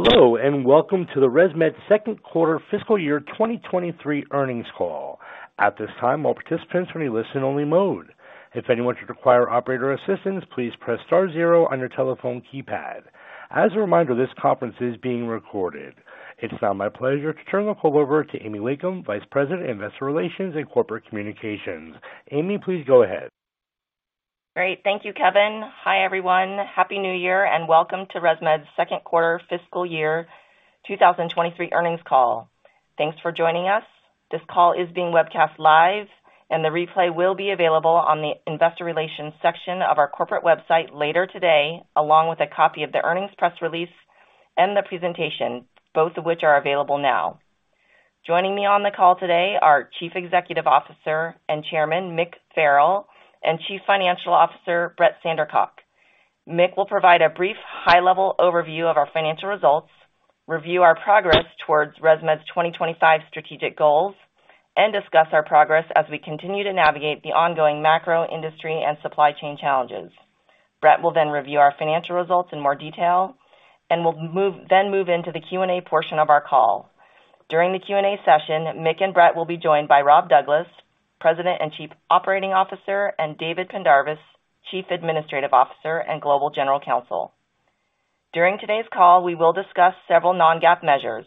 Hello, welcome to the ResMed second quarter fiscal year 2023 earnings call. At this time, all participants will be in listen only mode. If anyone should require operator assistance, please press star zero on your telephone keypad. As a reminder, this conference is being recorded. It's now my pleasure to turn the call over to Amy Wakeham, Vice President, Investor Relations and Corporate Communications. Amy, please go ahead. Great. Thank you, Kevin. Hi, everyone. Happy New Year, and welcome to ResMed's second quarter fiscal year 2023 earnings call. Thanks for joining us. This call is being webcast live, and the replay will be available on the Investor Relations section of our corporate website later today, along with a copy of the earnings press release and the presentation, both of which are available now. Joining me on the call today are Chief Executive Officer and Chairman, Mick Farrell, and Chief Financial Officer, Brett Sandercock. Mick will provide a brief high-level overview of our financial results, review our progress towards ResMed's 2025 strategic goals, and discuss our progress as we continue to navigate the ongoing macro, industry, and supply chain challenges. Brett will then review our financial results in more detail, and then move into the Q&A portion of our call. During the Q&A session, Mick and Brett will be joined by Rob Douglas, President and Chief Operating Officer, and David Pendarvis, Chief Administrative Officer and Global General Counsel. During today's call, we will discuss several non-GAAP measures.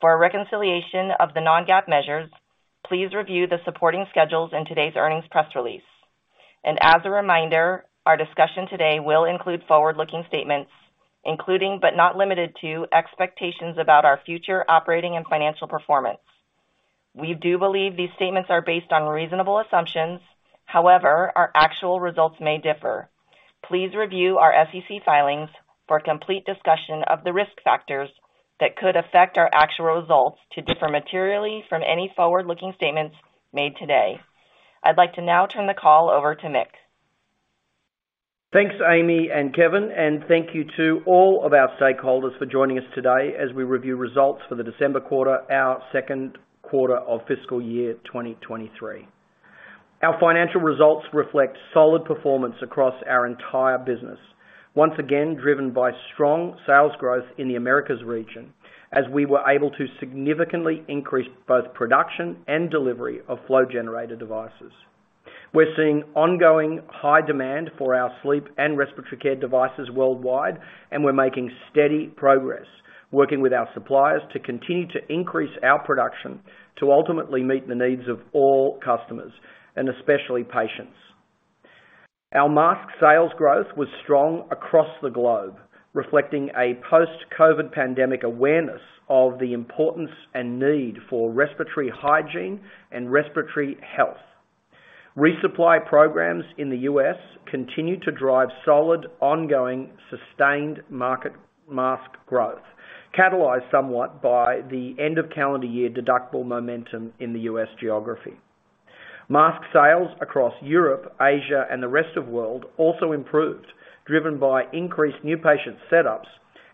For a reconciliation of the non-GAAP measures, please review the supporting schedules in today's earnings press release. As a reminder, our discussion today will include forward-looking statements, including, but not limited to, expectations about our future operating and financial performance. We do believe these statements are based on reasonable assumptions. However, our actual results may differ. Please review our SEC filings for a complete discussion of the risk factors that could affect our actual results to differ materially from any forward-looking statements made today. I'd like to now turn the call over to Mick. Thanks, Amy and Kevin. Thank you to all of our stakeholders for joining us today as we review results for the December quarter, our second quarter of fiscal year 2023. Our financial results reflect solid performance across our entire business. Once again, driven by strong sales growth in the Americas region, as we were able to significantly increase both production and delivery of flow generator devices. We're seeing ongoing high demand for our sleep and respiratory care devices worldwide, and we're making steady progress working with our suppliers to continue to increase our production to ultimately meet the needs of all customers, and especially patients. Our mask sales growth was strong across the globe, reflecting a post-COVID pandemic awareness of the importance and need for respiratory hygiene and respiratory health. ReSupply programs in the U.S. continued to drive solid, ongoing, sustained market mask growth, catalyzed somewhat by the end of calendar year deductible momentum in the U.S. geography. Mask sales across Europe, Asia, and the Rest of World also improved, driven by increased new patient setups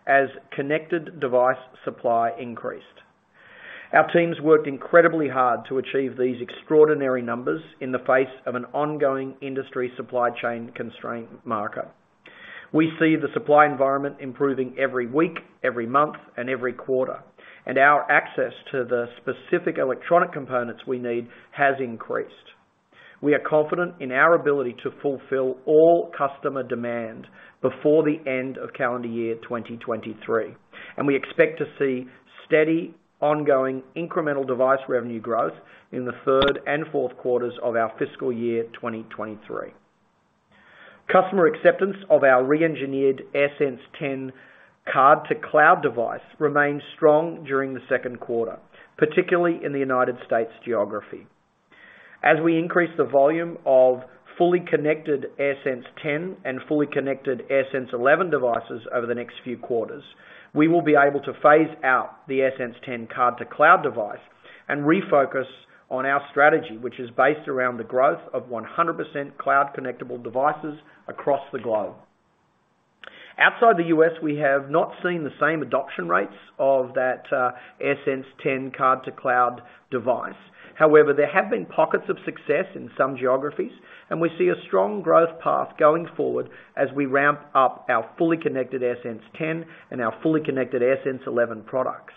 as connected device supply increased. Our teams worked incredibly hard to achieve these extraordinary numbers in the face of an ongoing industry supply chain constraint market. We see the supply environment improving every week, every month, and every quarter, and our access to the specific electronic components we need has increased. We are confident in our ability to fulfill all customer demand before the end of calendar year 2023, and we expect to see steady, ongoing, incremental device revenue growth in the third and fourth quarters of our fiscal year 2023. Customer acceptance of our reengineered AirSense 10 Card-to-Cloud device remained strong during the second quarter, particularly in the United States geography. As we increase the volume of fully connected AirSense 10 and fully connected AirSense 11 devices over the next few quarters, we will be able to phase out the AirSense 10 Card-to-Cloud device and refocus on our strategy, which is based around the growth of 100% cloud connectable devices across the globe. Outside the U.S., we have not seen the same adoption rates of that AirSense 10 Card-to-Cloud device. However, there have been pockets of success in some geographies, and we see a strong growth path going forward as we ramp up our fully connected AirSense 10 and our fully connected AirSense 11 products,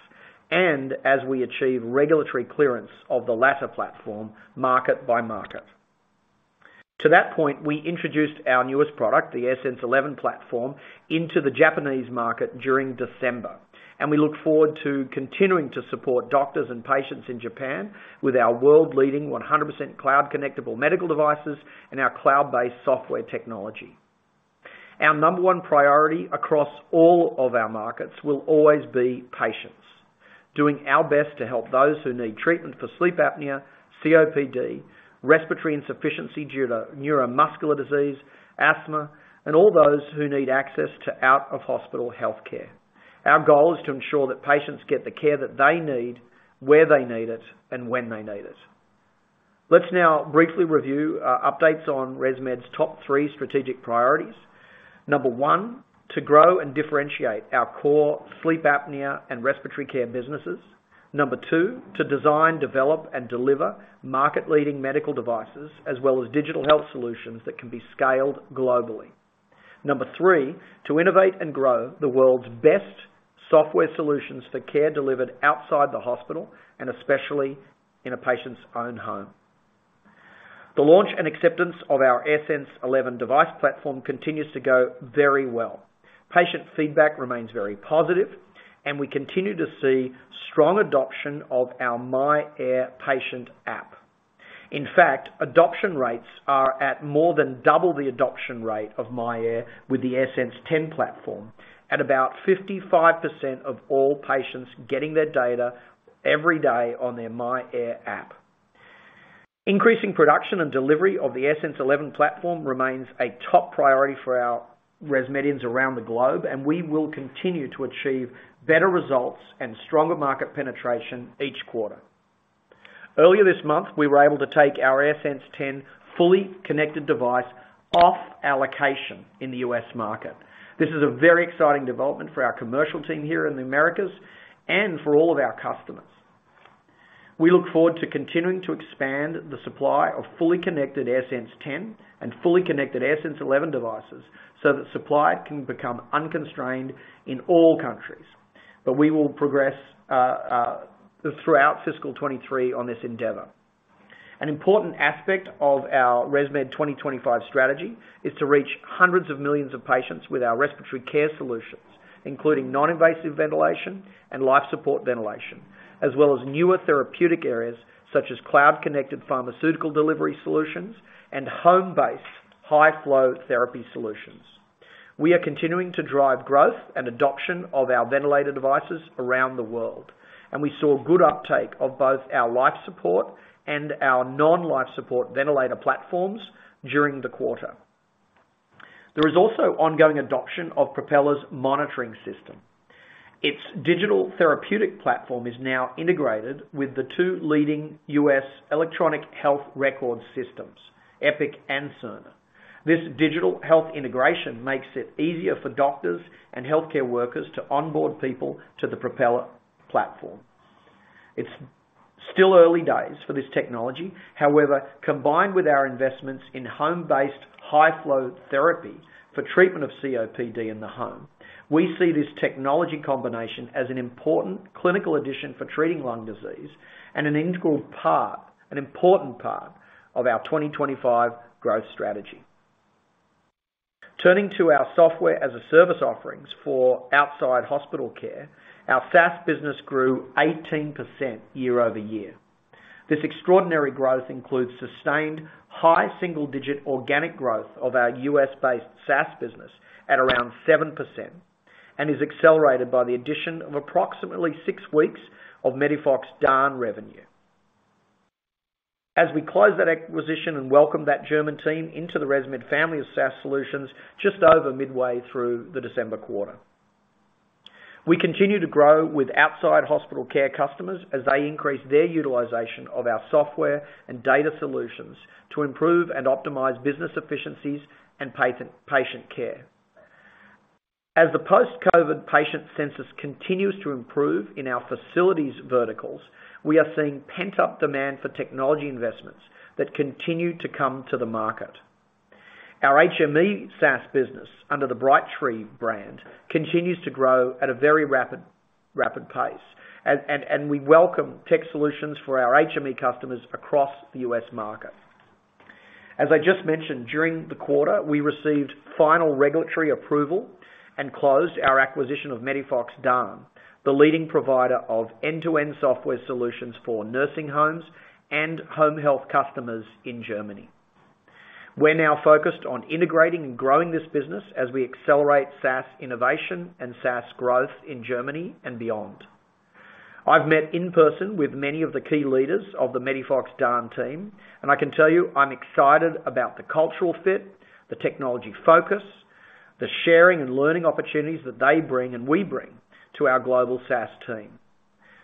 and as we achieve regulatory clearance of the latter platform market by market. To that point, we introduced our newest product, the AirSense 11 platform, into the Japanese market during December. We look forward to continuing to support doctors and patients in Japan with our world-leading 100% cloud connectable medical devices and our cloud-based software technology. Our number one priority across all of our markets will always be patients. Doing our best to help those who need treatment for sleep apnea, COPD, respiratory insufficiency due to neuromuscular disease, asthma, and all those who need access to out-of-hospital healthcare. Our goal is to ensure that patients get the care that they need, where they need it, and when they need it. Let's now briefly review our updates on ResMed's top three strategic priorities. Number one, to grow and differentiate our core sleep apnea and respiratory care businesses. Number two, to design, develop, and deliver market-leading medical devices, as well as digital health solutions that can be scaled globally. Number three, to innovate and grow the world's best software solutions for care delivered outside the hospital, and especially in a patient's own home. The launch and acceptance of our AirSense 11 device platform continues to go very well. Patient feedback remains very positive, and we continue to see strong adoption of our myAir patient app. In fact, adoption rates are at more than double the adoption rate of myAir with the AirSense 10 platform at about 55% of all patients getting their data every day on their myAir app. Increasing production and delivery of the AirSense 11 platform remains a top priority for our ResMedians around the globe. We will continue to achieve better results and stronger market penetration each quarter. Earlier this month, we were able to take our AirSense 11 fully connected device off allocation in the U.S. market. This is a very exciting development for our commercial team here in the Americas and for all of our customers. We look forward to continuing to expand the supply of fully connected AirSense 11 devices so that supply can become unconstrained in all countries. We will progress throughout fiscal 2023 on this endeavor. An important aspect of our ResMed 2025 strategy is to reach hundreds of millions of patients with our respiratory care solutions, including non-invasive ventilation and life support ventilation, as well as newer therapeutic areas such as cloud-connected pharmaceutical delivery solutions and home-based high-flow therapy solutions. We are continuing to drive growth and adoption of our ventilator devices around the world, and we saw good uptake of both our life support and our non-life support ventilator platforms during the quarter. There is also ongoing adoption of Propeller's monitoring system. Its digital therapeutic platform is now integrated with the two leading U.S. electronic health record systems, Epic and Cerner. This digital health integration makes it easier for doctors and healthcare workers to onboard people to the Propeller platform. It's still early days for this technology. Combined with our investments in home-based high-flow therapy for treatment of COPD in the home, we see this technology combination as an important clinical addition for treating lung disease and an integral part, an important part of our 2025 growth strategy. Turning to our Software as a Service offerings for outside hospital care, our SaaS business grew 18% year-over-year. This extraordinary growth includes sustained high single-digit organic growth of our U.S.-based SaaS business at around 7% and is accelerated by the addition of approximately 6 weeks of MEDIFOX DAN revenue. As we close that acquisition and welcome that German team into the ResMed family of SaaS solutions just over midway through the December quarter. We continue to grow with outside hospital care customers as they increase their utilization of our software and data solutions to improve and optimize business efficiencies and patient care. As the post-COVID patient census continues to improve in our facilities verticals, we are seeing pent-up demand for technology investments that continue to come to the market. Our HME SaaS business under the Brightree brand continues to grow at a very rapid pace, and we welcome tech solutions for our HME customers across the U.S. market. As I just mentioned, during the quarter, we received final regulatory approval and closed our acquisition of MEDIFOX DAN, the leading provider of end-to-end software solutions for nursing homes and home health customers in Germany. We're now focused on integrating and growing this business as we accelerate SaaS innovation and SaaS growth in Germany and beyond. I've met in person with many of the key leaders of the MEDIFOX DAN team, and I can tell you, I'm excited about the cultural fit, the technology focus, the sharing and learning opportunities that they bring and we bring to our global SaaS team.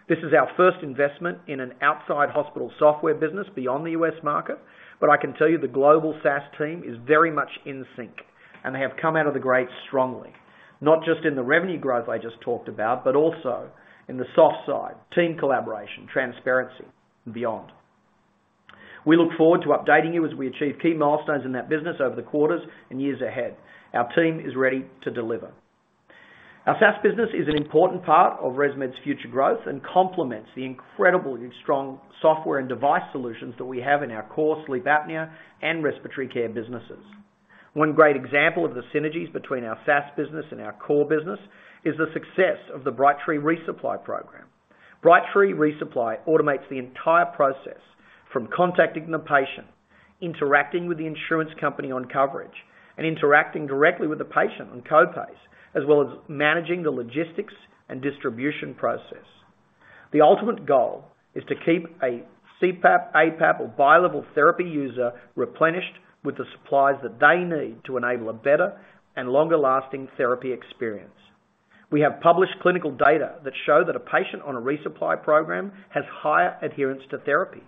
This is our first investment in an outside hospital software business beyond the U.S. market, but I can tell you the global SaaS team is very much in sync, and they have come out of the grade strongly, not just in the revenue growth I just talked about, but also in the soft side, team collaboration, transparency, and beyond. We look forward to updating you as we achieve key milestones in that business over the quarters and years ahead. Our team is ready to deliver. Our SaaS business is an important part of ResMed's future growth and complements the incredibly strong software and device solutions that we have in our core sleep apnea and respiratory care businesses. One great example of the synergies between our SaaS business and our core business is the success of the Brightree ReSupply program. Brightree ReSupply automates the entire process from contacting the patient, interacting with the insurance company on coverage, and interacting directly with the patient on co-pays, as well as managing the logistics and distribution process. The ultimate goal is to keep a CPAP, APAP, or bilevel therapy user replenished with the supplies that they need to enable a better and longer-lasting therapy experience. We have published clinical data that show that a patient on a ReSupply program has higher adherence to therapy.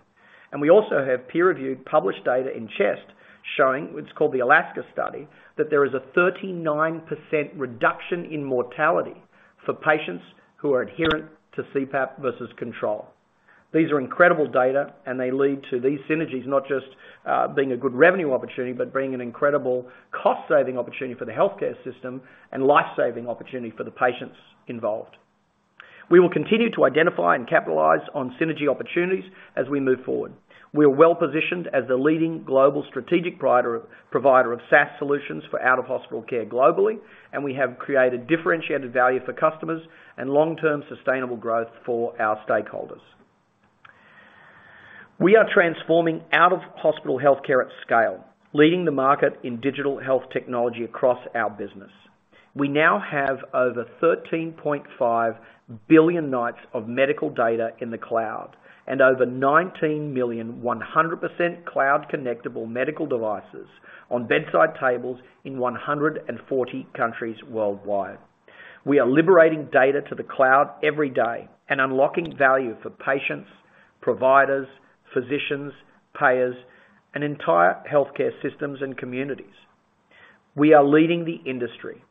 We also have peer-reviewed published data in CHEST showing, it's called the ALASKA study, that there is a 39% reduction in mortality for patients who are adherent to CPAP versus control. These are incredible data, they lead to these synergies not just being a good revenue opportunity, but being an incredible cost-saving opportunity for the healthcare system and life-saving opportunity for the patients involved. We will continue to identify and capitalize on synergy opportunities as we move forward. We are well-positioned as the leading global strategic provider of SaaS solutions for out-of-hospital care globally, we have created differentiated value for customers and long-term sustainable growth for our stakeholders. We are transforming out-of-hospital healthcare at scale, leading the market in digital health technology across our business. We now have over 13.5 billion nights of medical data in the cloud and over 19 million 100% cloud connectable medical devices on bedside tables in 140 countries worldwide. We are liberating data to the cloud every day and unlocking value for patients, providers, physicians, payers, and entire healthcare systems and communities. We are leading the industry.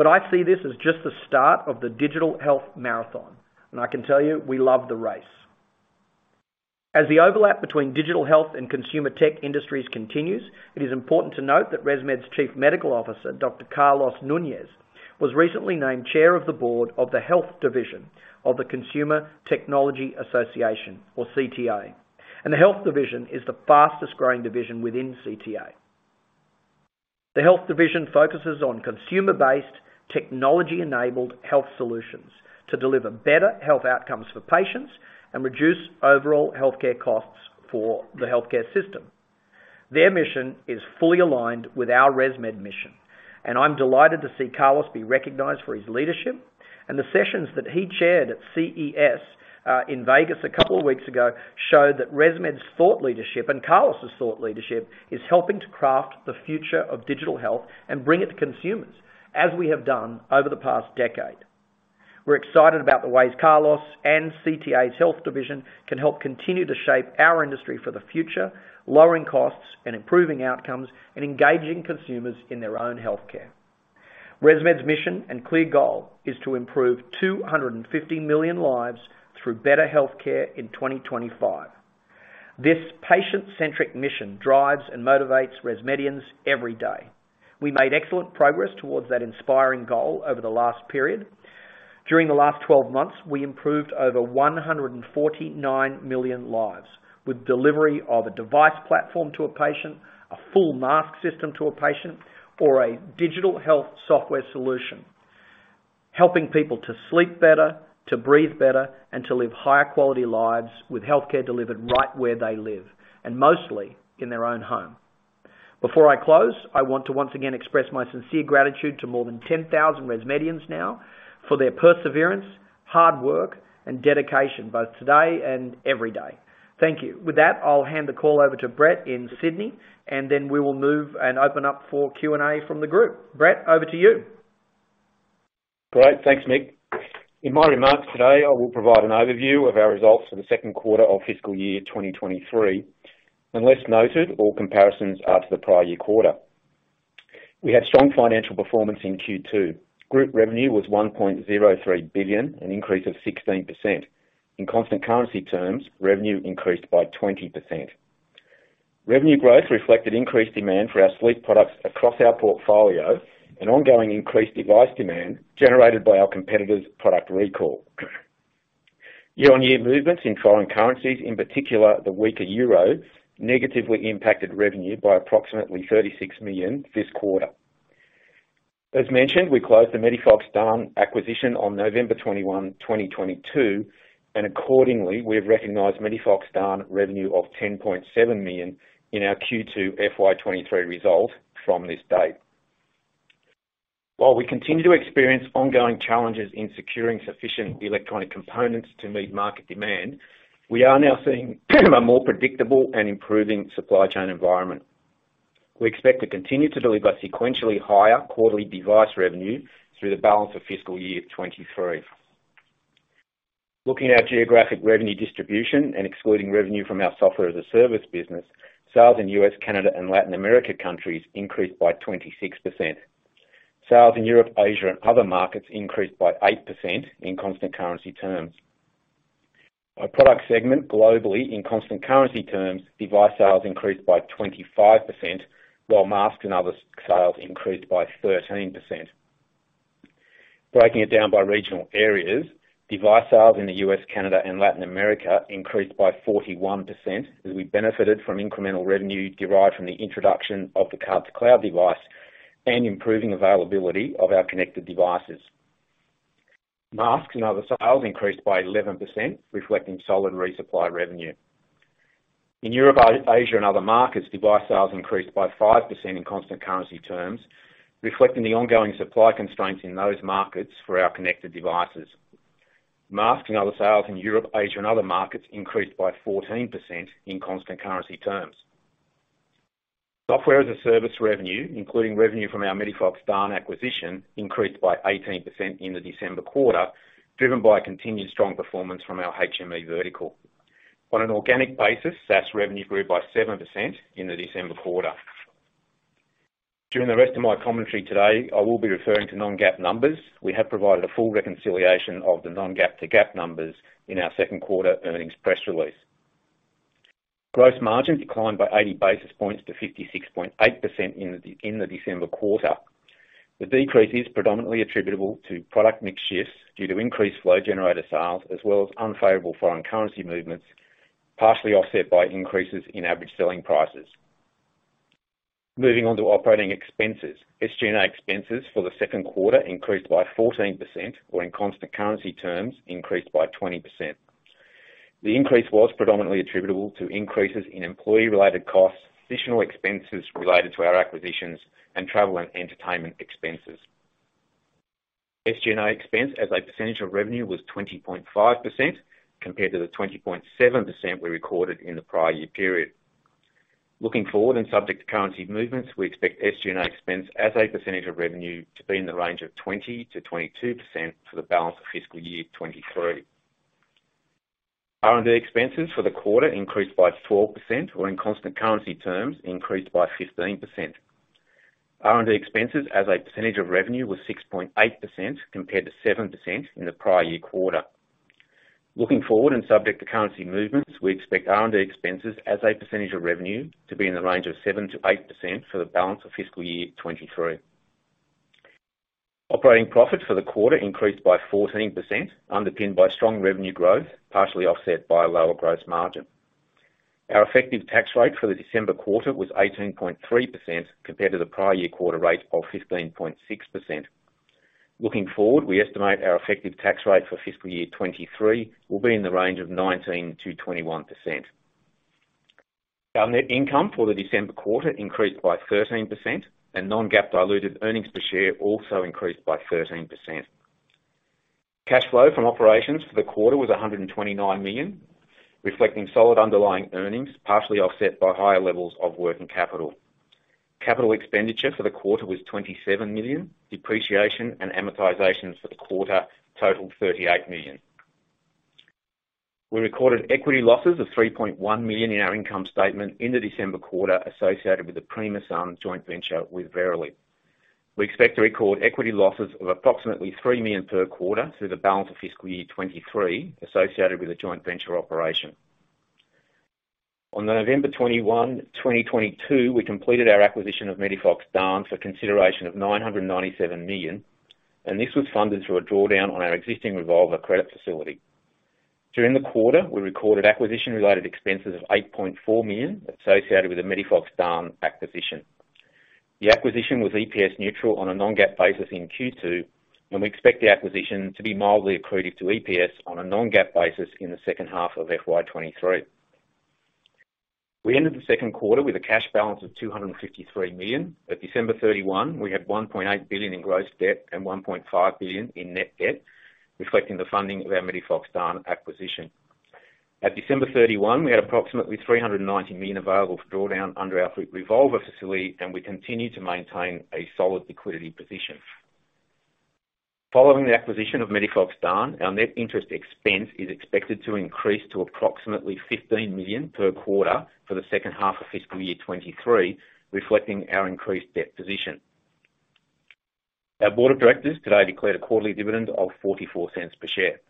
I see this as just the start of the digital health marathon. I can tell you, we love the race. As the overlap between digital health and consumer tech industries continues, it is important to note that ResMed's Chief Medical Officer, Dr. Carlos Nunez, was recently named Chair of the Board of the Health Division of the Consumer Technology Association, or CTA. The Health Division is the fastest growing division within CTA. The Health Division focuses on consumer-based technology-enabled health solutions to deliver better health outcomes for patients and reduce overall healthcare costs for the healthcare system. Their mission is fully aligned with our ResMed mission, and I'm delighted to see Carlos be recognized for his leadership. The sessions that he chaired at CES in Vegas a couple of weeks ago showed that ResMed's thought leadership and Carlos's thought leadership is helping to craft the future of digital health and bring it to consumers, as we have done over the past decade. We're excited about the ways Carlos and CTA's Health Division can help continue to shape our industry for the future, lowering costs and improving outcomes, and engaging consumers in their own healthcare. ResMed's mission and clear goal is to improve 250 million lives through better healthcare in 2025. This patient-centric mission drives and motivates ResMedians every day. We made excellent progress towards that inspiring goal over the last period. During the last 12 months, we improved over 149 million lives with delivery of a device platform to a patient, a full mask system to a patient, or a digital health software solution. Helping people to sleep better, to breathe better, and to live higher quality lives with healthcare delivered right where they live, and mostly in their own home. Before I close, I want to once again express my sincere gratitude to more than 10,000 ResMedians now for their perseverance, hard work, and dedication, both today and every day. Thank you. With that, I'll hand the call over to Brett in Sydney, and then we will move and open up for Q&A from the group. Brett, over to you. Great. Thanks, Mick. In my remarks today, I will provide an overview of our results for the 2nd quarter of fiscal year 2023. Unless noted, all comparisons are to the prior year quarter. We had strong financial performance in Q2. Group revenue was $1.03 billion, an increase of 16%. In constant currency terms, revenue increased by 20%. Revenue growth reflected increased demand for our sleep products across our portfolio and ongoing increased device demand generated by our competitor's product recall. Year-on-year movements in foreign currencies, in particular, the weaker euro, negatively impacted revenue by approximately $36 million this quarter. As mentioned, we closed the MEDIFOX DAN acquisition on November 21, 2022, accordingly, we've recognized MEDIFOX DAN revenue of $10.7 million in our Q2 FY 2023 result from this date. While we continue to experience ongoing challenges in securing sufficient electronic components to meet market demand, we are now seeing a more predictable and improving supply chain environment. We expect to continue to deliver sequentially higher quarterly device revenue through the balance of fiscal year 2023. Looking at geographic revenue distribution and excluding revenue from our Software as a Service business, sales in U.S., Canada, and Latin America countries increased by 26%. Sales in Europe, Asia, and other markets increased by 8% in constant currency terms. By product segment globally, in constant currency terms, device sales increased by 25%, while masks and other sales increased by 13%. Breaking it down by regional areas, device sales in the U.S., Canada, and Latin America increased by 41% as we benefited from incremental revenue derived from the introduction of the Card-to-Cloud device and improving availability of our connected devices. Masks and other sales increased by 11%, reflecting solid ReSupply revenue. In Europe, Asia, and other markets, device sales increased by 5% in constant currency terms, reflecting the ongoing supply constraints in those markets for our connected devices. Masks and other sales in Europe, Asia, and other markets increased by 14% in constant currency terms. Software as a Service revenue, including revenue from our MEDIFOX DAN acquisition, increased by 18% in the December quarter, driven by continued strong performance from our HME vertical. On an organic basis, SaaS revenue grew by 7% in the December quarter. During the rest of my commentary today, I will be referring to non-GAAP numbers. We have provided a full reconciliation of the non-GAAP to GAAP numbers in our second quarter earnings press release. Gross margin declined by 80 basis points to 56.8% in the December quarter. The decrease is predominantly attributable to product mix shifts due to increased flow generator sales, as well as unfavorable foreign currency movements, partially offset by increases in average selling prices. Moving on to operating expenses. SG&A expenses for the second quarter increased by 14%, or in constant currency terms, increased by 20%. The increase was predominantly attributable to increases in employee related costs, additional expenses related to our acquisitions, and travel and entertainment expenses. SG&A expense as a percentage of revenue was 20.5% compared to the 20.7% we recorded in the prior year period. Looking forward and subject to currency movements, we expect SG&A expense as a percentage of revenue to be in the range of 20%-22% for the balance of fiscal year 2023. R&D expenses for the quarter increased by 12% or in constant currency terms, increased by 15%. R&D expenses as a percentage of revenue was 6.8% compared to 7% in the prior year quarter. Looking forward and subject to currency movements, we expect R&D expenses as a percentage of revenue to be in the range of 7%-8% for the balance of fiscal year 2023. Operating profit for the quarter increased by 14%, underpinned by strong revenue growth, partially offset by a lower gross margin. Our effective tax rate for the December quarter was 18.3% compared to the prior year quarter rate of 15.6%. Looking forward, we estimate our effective tax rate for fiscal year 2023 will be in the range of 19%-21%. Our net income for the December quarter increased by 13%, and non-GAAP diluted earnings per share also increased by 13%. Cash flow from operations for the quarter was $129 million, reflecting solid underlying earnings, partially offset by higher levels of working capital. Capital expenditure for the quarter was $27 million. Depreciation and amortization for the quarter totaled $38 million. We recorded equity losses of $3.1 million in our income statement in the December quarter associated with the Primasun joint venture with Verily. We expect to record equity losses of approximately $3 million per quarter through the balance of FY 2023 associated with the joint venture operation. On November 21, 2022, we completed our acquisition of MEDIFOX DAN for consideration of $997 million. This was funded through a drawdown on our existing revolver credit facility. During the quarter, we recorded acquisition related expenses of $8.4 million associated with the MEDIFOX DAN acquisition. The acquisition was EPS neutral on a non-GAAP basis in Q2. We expect the acquisition to be mildly accretive to EPS on a non-GAAP basis in the second half of FY 2023. We ended the second quarter with a cash balance of $253 million. At December 31, we had $1.8 billion in gross debt and $1.5 billion in net debt, reflecting the funding of our MEDIFOX DAN acquisition. At December 31, we had approximately $390 million available for drawdown under our revolver facility, we continue to maintain a solid liquidity position. Following the acquisition of MEDIFOX DAN, our net interest expense is expected to increase to approximately $15 million per quarter for the second half of fiscal year 2023, reflecting our increased debt position. Our Board of Directors today declared a quarterly dividend of $0.44 per share.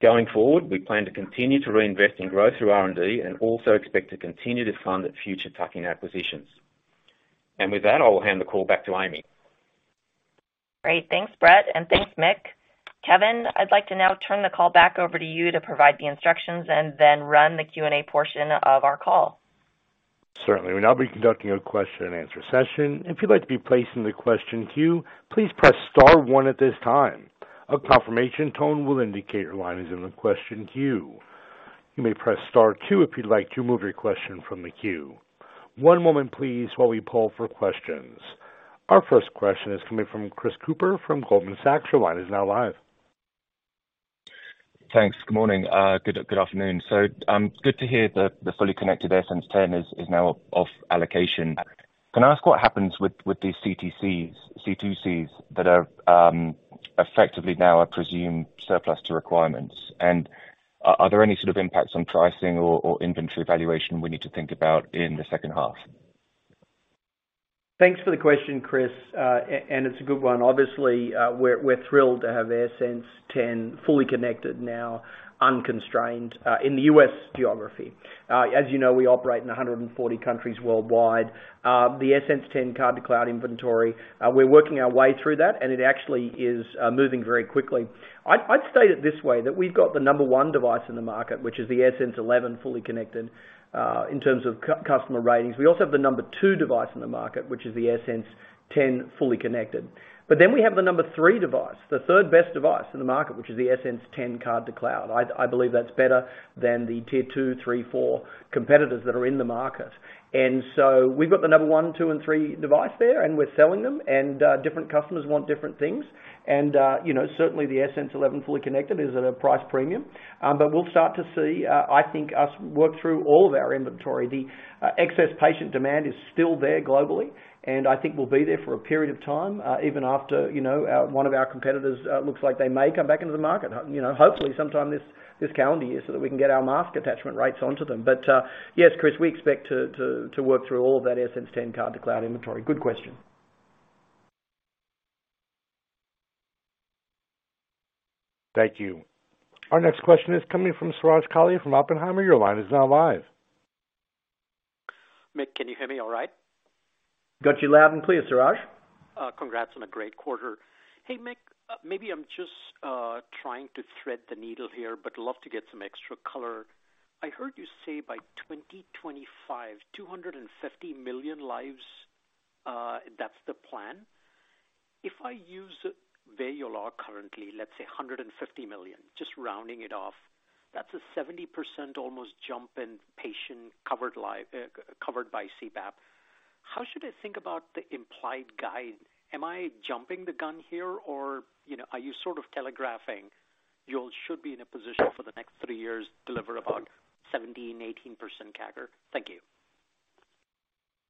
Going forward, we plan to continue to reinvest in growth through R&D and also expect to continue to fund future tuck-in acquisitions. With that, I will hand the call back to Amy. Great. Thanks, Brett, and thanks, Mick. Kevin, I'd like to now turn the call back over to you to provide the instructions and then run the Q&A portion of our call. Certainly. We'll now be conducting a question and answer session. If you'd like to be placed in the question queue, please press star one at this time. A confirmation tone will indicate your line is in the question queue. You may press star two if you'd like to remove your question from the queue. One moment please while we pull for questions. Our first question is coming from Chris Cooper from Goldman Sachs. Your line is now live. Thanks. Good morning. Good afternoon. Good to hear the fully connected AirSense 10 is now of allocation. Can I ask what happens with these CTCs, C2Cs that are effectively now are presumed surplus to requirements? Are there any sort of impacts on pricing or inventory valuation we need to think about in the second half? Thanks for the question, Chris. It's a good one. Obviously, we're thrilled to have AirSense 10 fully connected now unconstrained in the U.S. geography. As you know, we operate in 140 countries worldwide. The AirSense 10 Card-to-Cloud inventory, we're working our way through that, and it actually is moving very quickly. I'd state it this way, that we've got the number one device in the market, which is the AirSense 11 fully connected, in terms of customer ratings. We also have the number two device in the market, which is the AirSense 10 fully connected. We have the number three device, the third best device in the market, which is the AirSense 10 Card-to-Cloud. I believe that's better than the Tier 2, 3, 4 competitors that are in the market. We've got the number one, two, and three device there, and we're selling them. Different customers want different things. You know, certainly the AirSense 11 fully connected is at a price premium. But we'll start to see, I think us work through all of our inventory. The excess patient demand is still there globally, and I think we'll be there for a period of time, even after, you know, one of our competitors looks like they may come back into the market, you know, hopefully sometime this calendar year so that we can get our mask attachment rates onto them. Yes, Chris, we expect to work through all of that AirSense 10 Card-to-Cloud inventory. Good question. Thank you. Our next question is coming from Suraj Kalia from Oppenheimer. Your line is now live. Mick, can you hear me all right? Got you loud and clear, Suraj. Congrats on a great quarter. Hey, Mick, maybe I'm just trying to thread the needle here, but love to get some extra color. I heard you say by 2025, 250 million lives, that's the plan. If I use where you are currently, let's say 150 million, just rounding it off, that's a 70% almost jump in patient covered by CPAP. How should I think about the implied guide? Am I jumping the gun here? You know, are you sort of telegraphing you all should be in a position for the next three years, deliver about 17%, 18% CAGR? Thank you.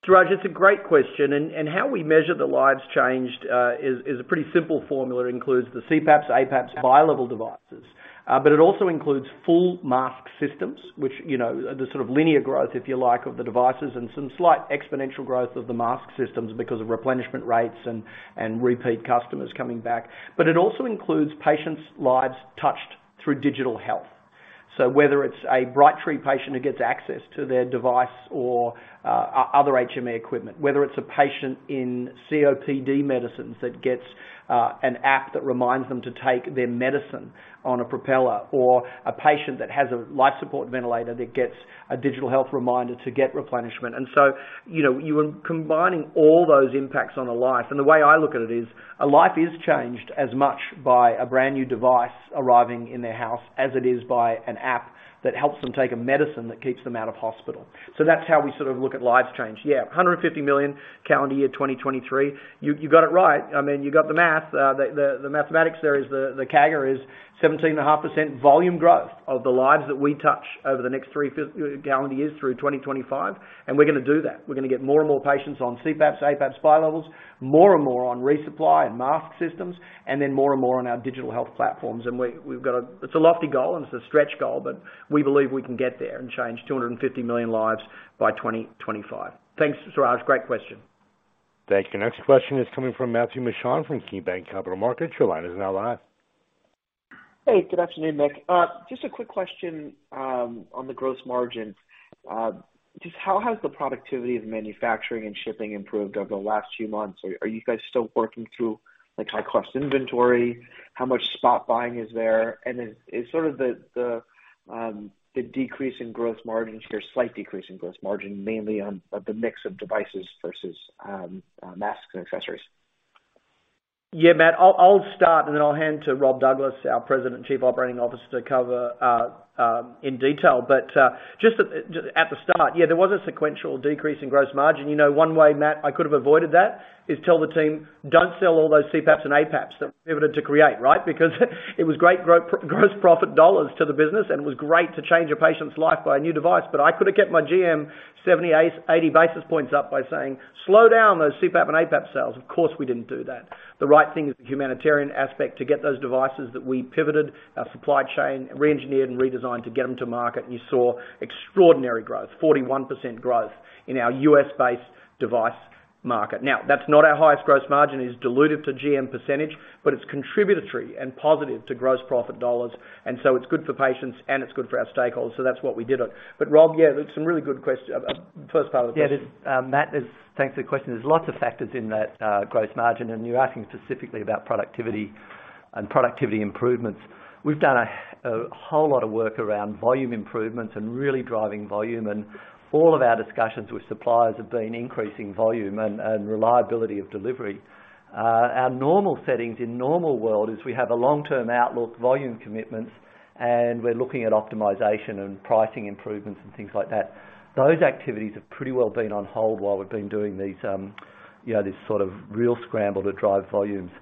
Suraj, it's a great question, and how we measure the lives changed is a pretty simple formula. Includes the CPAPs, APAPs, bilevel devices, but it also includes full mask systems, which, you know, the sort of linear growth, if you like, of the devices and some slight exponential growth of the mask systems because of replenishment rates and repeat customers coming back. But it also includes patients lives touched through digital health. So whether it's a Brightree patient who gets access to their device or other HME equipment, whether it's a patient in COPD medicines that gets an app that reminds them to take their medicine on a Propeller, or a patient that has a life support ventilator that gets a digital health reminder to get replenishment. You know, you are combining all those impacts on a life. The way I look at it is, a life is changed as much by a brand-new device arriving in their house as it is by an app that helps them take a medicine that keeps them out of hospital. That's how we sort of look at lives changed. Yeah, $150 million calendar year 2023. You got it right. I mean, you got the math. The mathematics there is the CAGR is 17.5% volume growth of the lives that we touch over the next 3 calendar years through 2025. We're going to do that. We're going to get more and more patients on CPAPs, APAPs, bilevels, more and more on ReSupply and mask systems, and then more and more on our digital health platforms. We've got a... It's a lofty goal, and it's a stretch goal, but we believe we can get there and change 250 million lives by 2025. Thanks, Suraj. Great question. Thank you. Next question is coming from Matthew Mishan from KeyBanc Capital Markets. Your line is now live. Hey, good afternoon, Mick. Just a quick question on the gross margins. Just how has the productivity of manufacturing and shipping improved over the last few months? Are you guys still working through, like, high-cost inventory? How much spot buying is there? Is sort of the decrease in gross margin or slight decrease in gross margin mainly on the mix of devices versus masks and accessories? Matt, I'll start, and then I'll hand to Rob Douglas, our President and Chief Operating Officer, to cover in detail. Just at the start, there was a sequential decrease in gross margin. You know, one way, Matt, I could have avoided that is tell the team, "Don't sell all those CPAPs and APAPs that we've been able to create," right? Because it was great gross profit dollars to the business, and it was great to change a patient's life by a new device, but I could have kept my GM 70, 80 basis points up by saying, "Slow down those CPAP and APAP sales." Of course, we didn't do that. The right thing is the humanitarian aspect to get those devices that we pivoted our supply chain, re-engineered and redesigned to get them to market, You saw extraordinary growth, 41% growth in our U.S.-based device market. Now, that's not our highest gross margin. It is dilutive to GM percentage, but it's contributory and positive to gross profit dollars. It's good for patients, and it's good for our stakeholders, so that's what we did. Rob, yeah, there's some really good first part of the question. Yeah, Matt, there's. Thanks for the question. There's lots of factors in that gross margin, and you're asking specifically about productivity and productivity improvements. We've done a whole lot of work around volume improvements and really driving volume, and all of our discussions with suppliers have been increasing volume and reliability of delivery. Our normal settings in normal world is we have a long-term outlook volume commitments, and we're looking at optimization and pricing improvements and things like that. Those activities have pretty well been on hold while we've been doing these, you know, this sort of real scramble to drive volumes.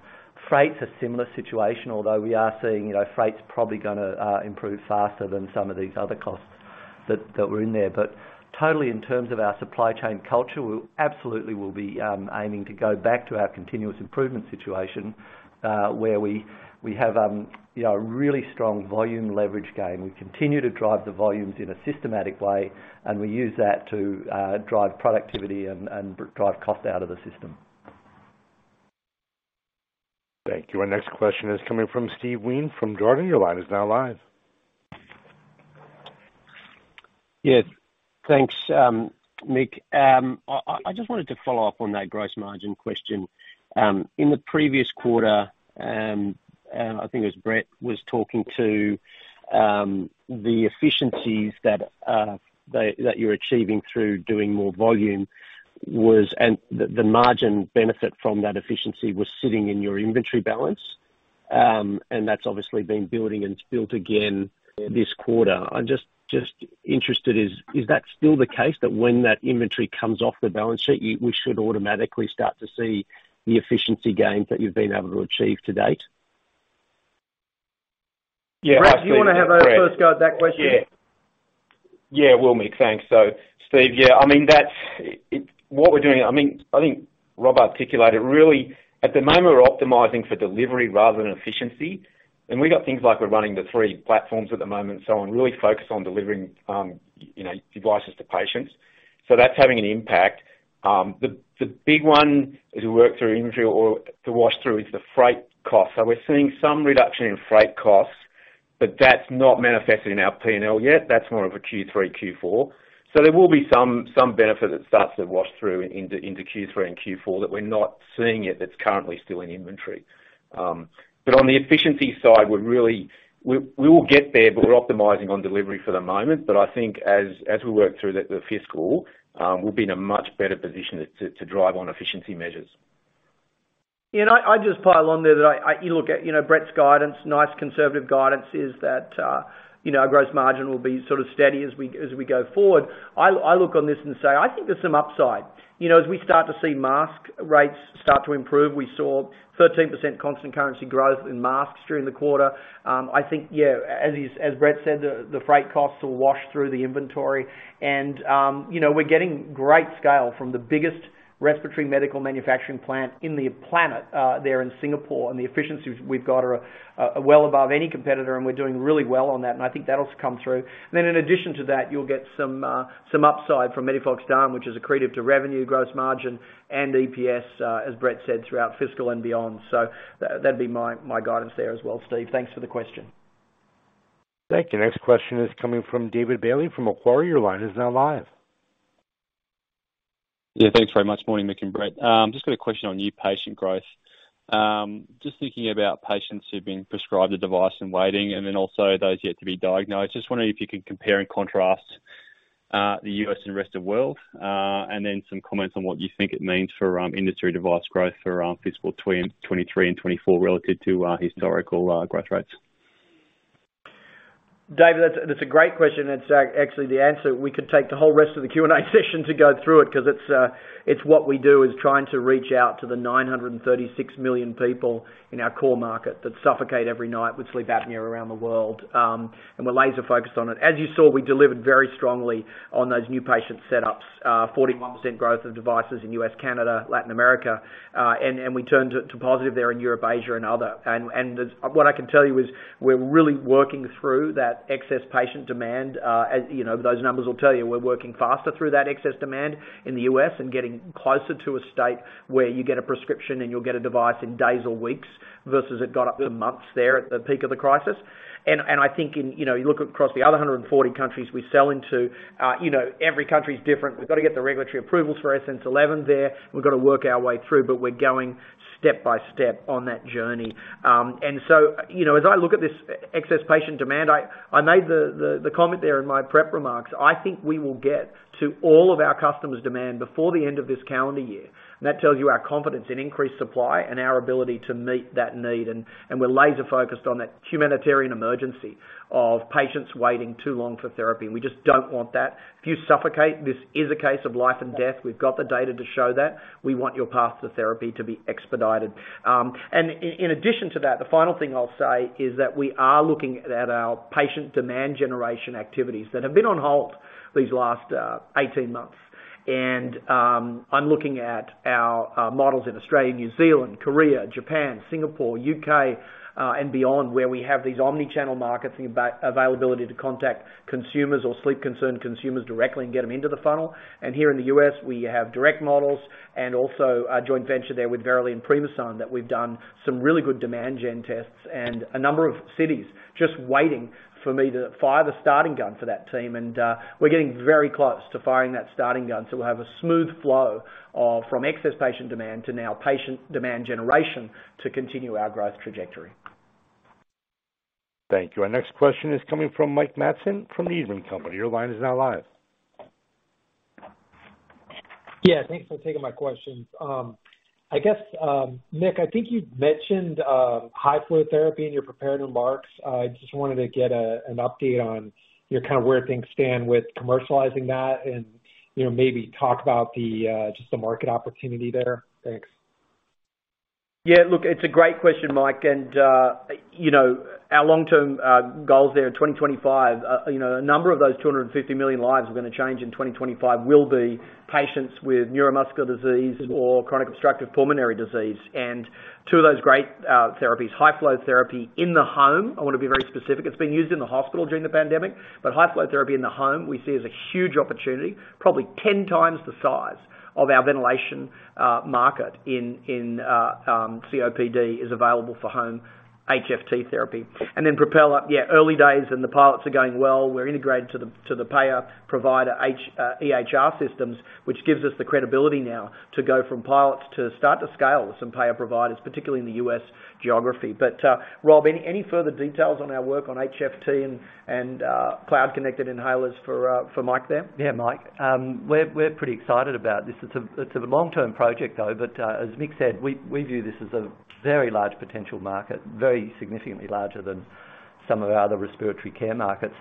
Freight's a similar situation, although we are seeing, you know, freight's probably going to improve faster than some of these other costs that were in there. Totally in terms of our supply chain culture, we absolutely will be aiming to go back to our continuous improvement situation, where we have, you know, a really strong volume leverage game. We continue to drive the volumes in a systematic way, and we use that to drive productivity and drive cost out of the system. Thank you. Our next question is coming from Steve Wheen from Jarden. Your line is now live. Thanks, Mick. I just wanted to follow up on that gross margin question. In the previous quarter, I think it was Brett was talking to the efficiencies that you're achieving through doing more volume and the margin benefit from that efficiency was sitting in your inventory balance. And that's obviously been building and built again this quarter. I'm interested, is that still the case that when that inventory comes off the balance sheet, we should automatically start to see the efficiency gains that you've been able to achieve to date? Yeah. Brett, do you want to have a first go at that question? Yeah. Yeah, Mick, thanks. Steve, yeah, I mean, that's. It. What we're doing, I mean, I think Rob articulated really at the moment we're optimizing for delivery rather than efficiency. We got things like we're running the three platforms at the moment, so I'm really focused on delivering, you know, devices to patients. That's having an impact. The, the big one as we work through inventory or to wash through is the freight cost. We're seeing some reduction in freight costs, but that's not manifested in our P&L yet. That's more of a Q3, Q4. There will be some benefit that starts to wash through into Q3 and Q4 that we're not seeing yet that's currently still in inventory. On the efficiency side, we're really. We will get there, but we're optimizing on delivery for the moment. I think as we work through the fiscal, we'll be in a much better position to, to drive on efficiency measures. You know, I'd just pile on there that you look at, you know, Brett's guidance, nice conservative guidance is that, you know, our gross margin will be sort of steady as we go forward. I look on this and say, I think there's some upside. You know, as we start to see mask rates start to improve, we saw 13% constant currency growth in masks during the quarter. I think, yeah, as Brett said, the freight costs will wash through the inventory. You know, we're getting great scale from the biggest respiratory medical manufacturing plant in the planet, there in Singapore. The efficiencies we've got are well above any competitor, and we're doing really well on that, and I think that'll come through. In addition to that, you'll get some upside from MEDIFOX DAN, which is accretive to revenue, gross margin, and EPS, as Brett said, throughout fiscal and beyond. That'd be my guidance there as well, Steve. Thanks for the question. Thank you. Next question is coming from David Bailey from Macquarie. Your line is now live. Yeah, thanks very much. Morning, Mick and Brett. Just got a question on new patient growth. Just thinking about patients who've been prescribed a device and waiting, and then also those yet to be diagnosed. Just wondering if you could compare and contrast the U.S. and Rest of World, and then some comments on what you think it means for industry device growth for fiscal 2023 and 2024 relative to historical growth rates. David, that's a great question. That's actually, the answer, we could take the whole rest of the Q&A session to go through it 'cause it's what we do, is trying to reach out to the 936 million people in our core market that suffocate every night with sleep apnea around the world, and we're laser-focused on it. As you saw, we delivered very strongly on those new patient setups. 41% growth of devices in U.S., Canada, Latin America. We turned it to positive there in Europe, Asia, and Other. What I can tell you is we're really working through that excess patient demand, as, you know, those numbers will tell you, we're working faster through that excess demand in the U.S. and getting closer to a state where you get a prescription, and you'll get a device in days or weeks versus it got up to months there at the peak of the crisis. I think in, you know, you look across the other 140 countries we sell into, you know, every country is different. We've got to get the regulatory approvals for AirSense 11 there. We've got to work our way through, but we're going step-by-step on that journey. So, you know, as I look at this excess patient demand, I made the comment there in my prep remarks, I think we will get to all of our customers' demand before the end of this calendar year. That tells you our confidence in increased supply and our ability to meet that need. We're laser-focused on that humanitarian emergency of patients waiting too long for therapy. We just don't want that. If you suffocate, this is a case of life and death. We've got the data to show that. We want your path to therapy to be expedited. In addition to that, the final thing I'll say is that we are looking at our patient demand generation activities that have been on halt these last 18 months. I'm looking at our models in Australia, New Zealand, Korea, Japan, Singapore, U.K., and beyond, where we have these omni-channel markets availability to contact consumers or sleep-concerned consumers directly and get them into the funnel. Here in the U.S., we have direct models and also a joint venture there with Verily and Primasun that we've done some really good demand gen tests in a number of cities just waiting for me to fire the starting gun for that team. We're getting very close to firing that starting gun so we'll have a smooth flow from excess patient demand to now patient demand generation to continue our growth trajectory. Thank you. Our next question is coming from Mike Matson from Needham & Company. Your line is now live. Thanks for taking my questions. I guess, Mick, I think you mentioned high flow therapy in your prepared remarks. I just wanted to get an update on, you know, kind of where things stand with commercializing that and, you know, maybe talk about the just the market opportunity there. Thanks. Look, it's a great question, Mike. You know, our long-term goal is there in 2025. You know, a number of those 250 million lives we're going to change in 2025 will be patients with neuromuscular disease or chronic obstructive pulmonary disease. Two of those great therapies, high flow therapy in the home, I want to be very specific. It's been used in the hospital during the pandemic. High flow therapy in the home, we see as a huge opportunity, probably 10x the size of our ventilation market in COPD is available for home HFT therapy. Propeller, yeah, early days, and the pilots are going well. We're integrated to the payer-provider EHR systems, which gives us the credibility now to go from pilots to start to scale with some payer providers, particularly in the U.S. geography. Rob, any further details on our work on HFT and cloud-connected inhalers for Mike there? Yeah, Mike. We're pretty excited about this. It's a long-term project though, but as Mick said, we view this as a very large potential market, very significantly larger than some of our other respiratory care markets.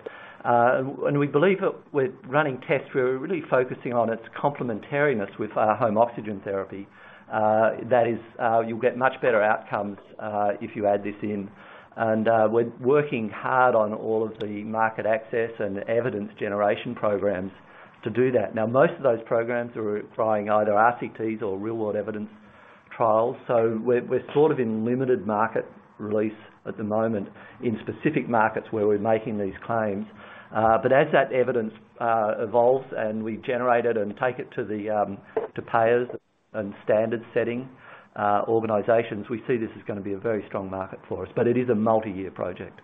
We believe that with running tests, we're really focusing on its complementariness with home oxygen therapy. That is, you'll get much better outcomes if you add this in. We're working hard on all of the market access and evidence generation programs to do that. Most of those programs are requiring either RCTs or real-world evidence trials. We're sort of in limited market release at the moment in specific markets where we're making these claims. As that evidence evolves and we generate it and take it to the payers and standard-setting organizations, we see this is going to be a very strong market for us, but it is a multi-year project.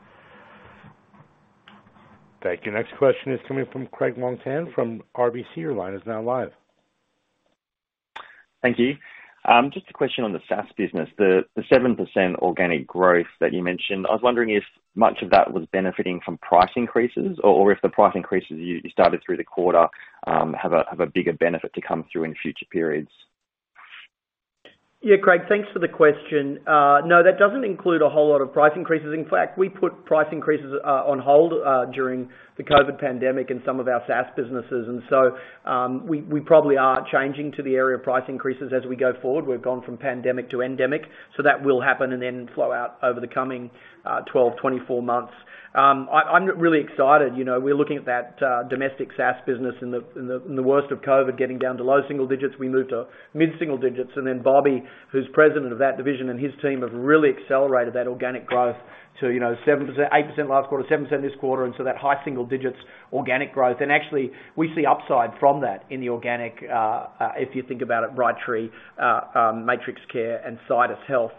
Thank you. Next question is coming from Craig Wong-Pan from RBC. Your line is now live. Thank you. Just a question on the SaaS business. The 7% organic growth that you mentioned, I was wondering if much of that was benefiting from price increases or if the price increases you started through the quarter have a bigger benefit to come through in future periods. Yeah. Craig, thanks for the question. No, that doesn't include a whole lot of price increases. In fact, we put price increases on hold during the COVID pandemic in some of our SaaS businesses. We probably are changing to the area of price increases as we go forward. We've gone from pandemic to endemic. That will happen and then flow out over the coming 12, 24 months. I'm really excited. You know, we're looking at that domestic SaaS business in the worst of COVID getting down to low single digits. We moved to mid-single digits. Bobby, who's president of that division, and his team have really accelerated that organic growth to, you know, 8% last quarter, 7% this quarter, that high single digits organic growth. Actually we see upside from that in the organic, if you think about it, Brightree, MatrixCare and CitusHealth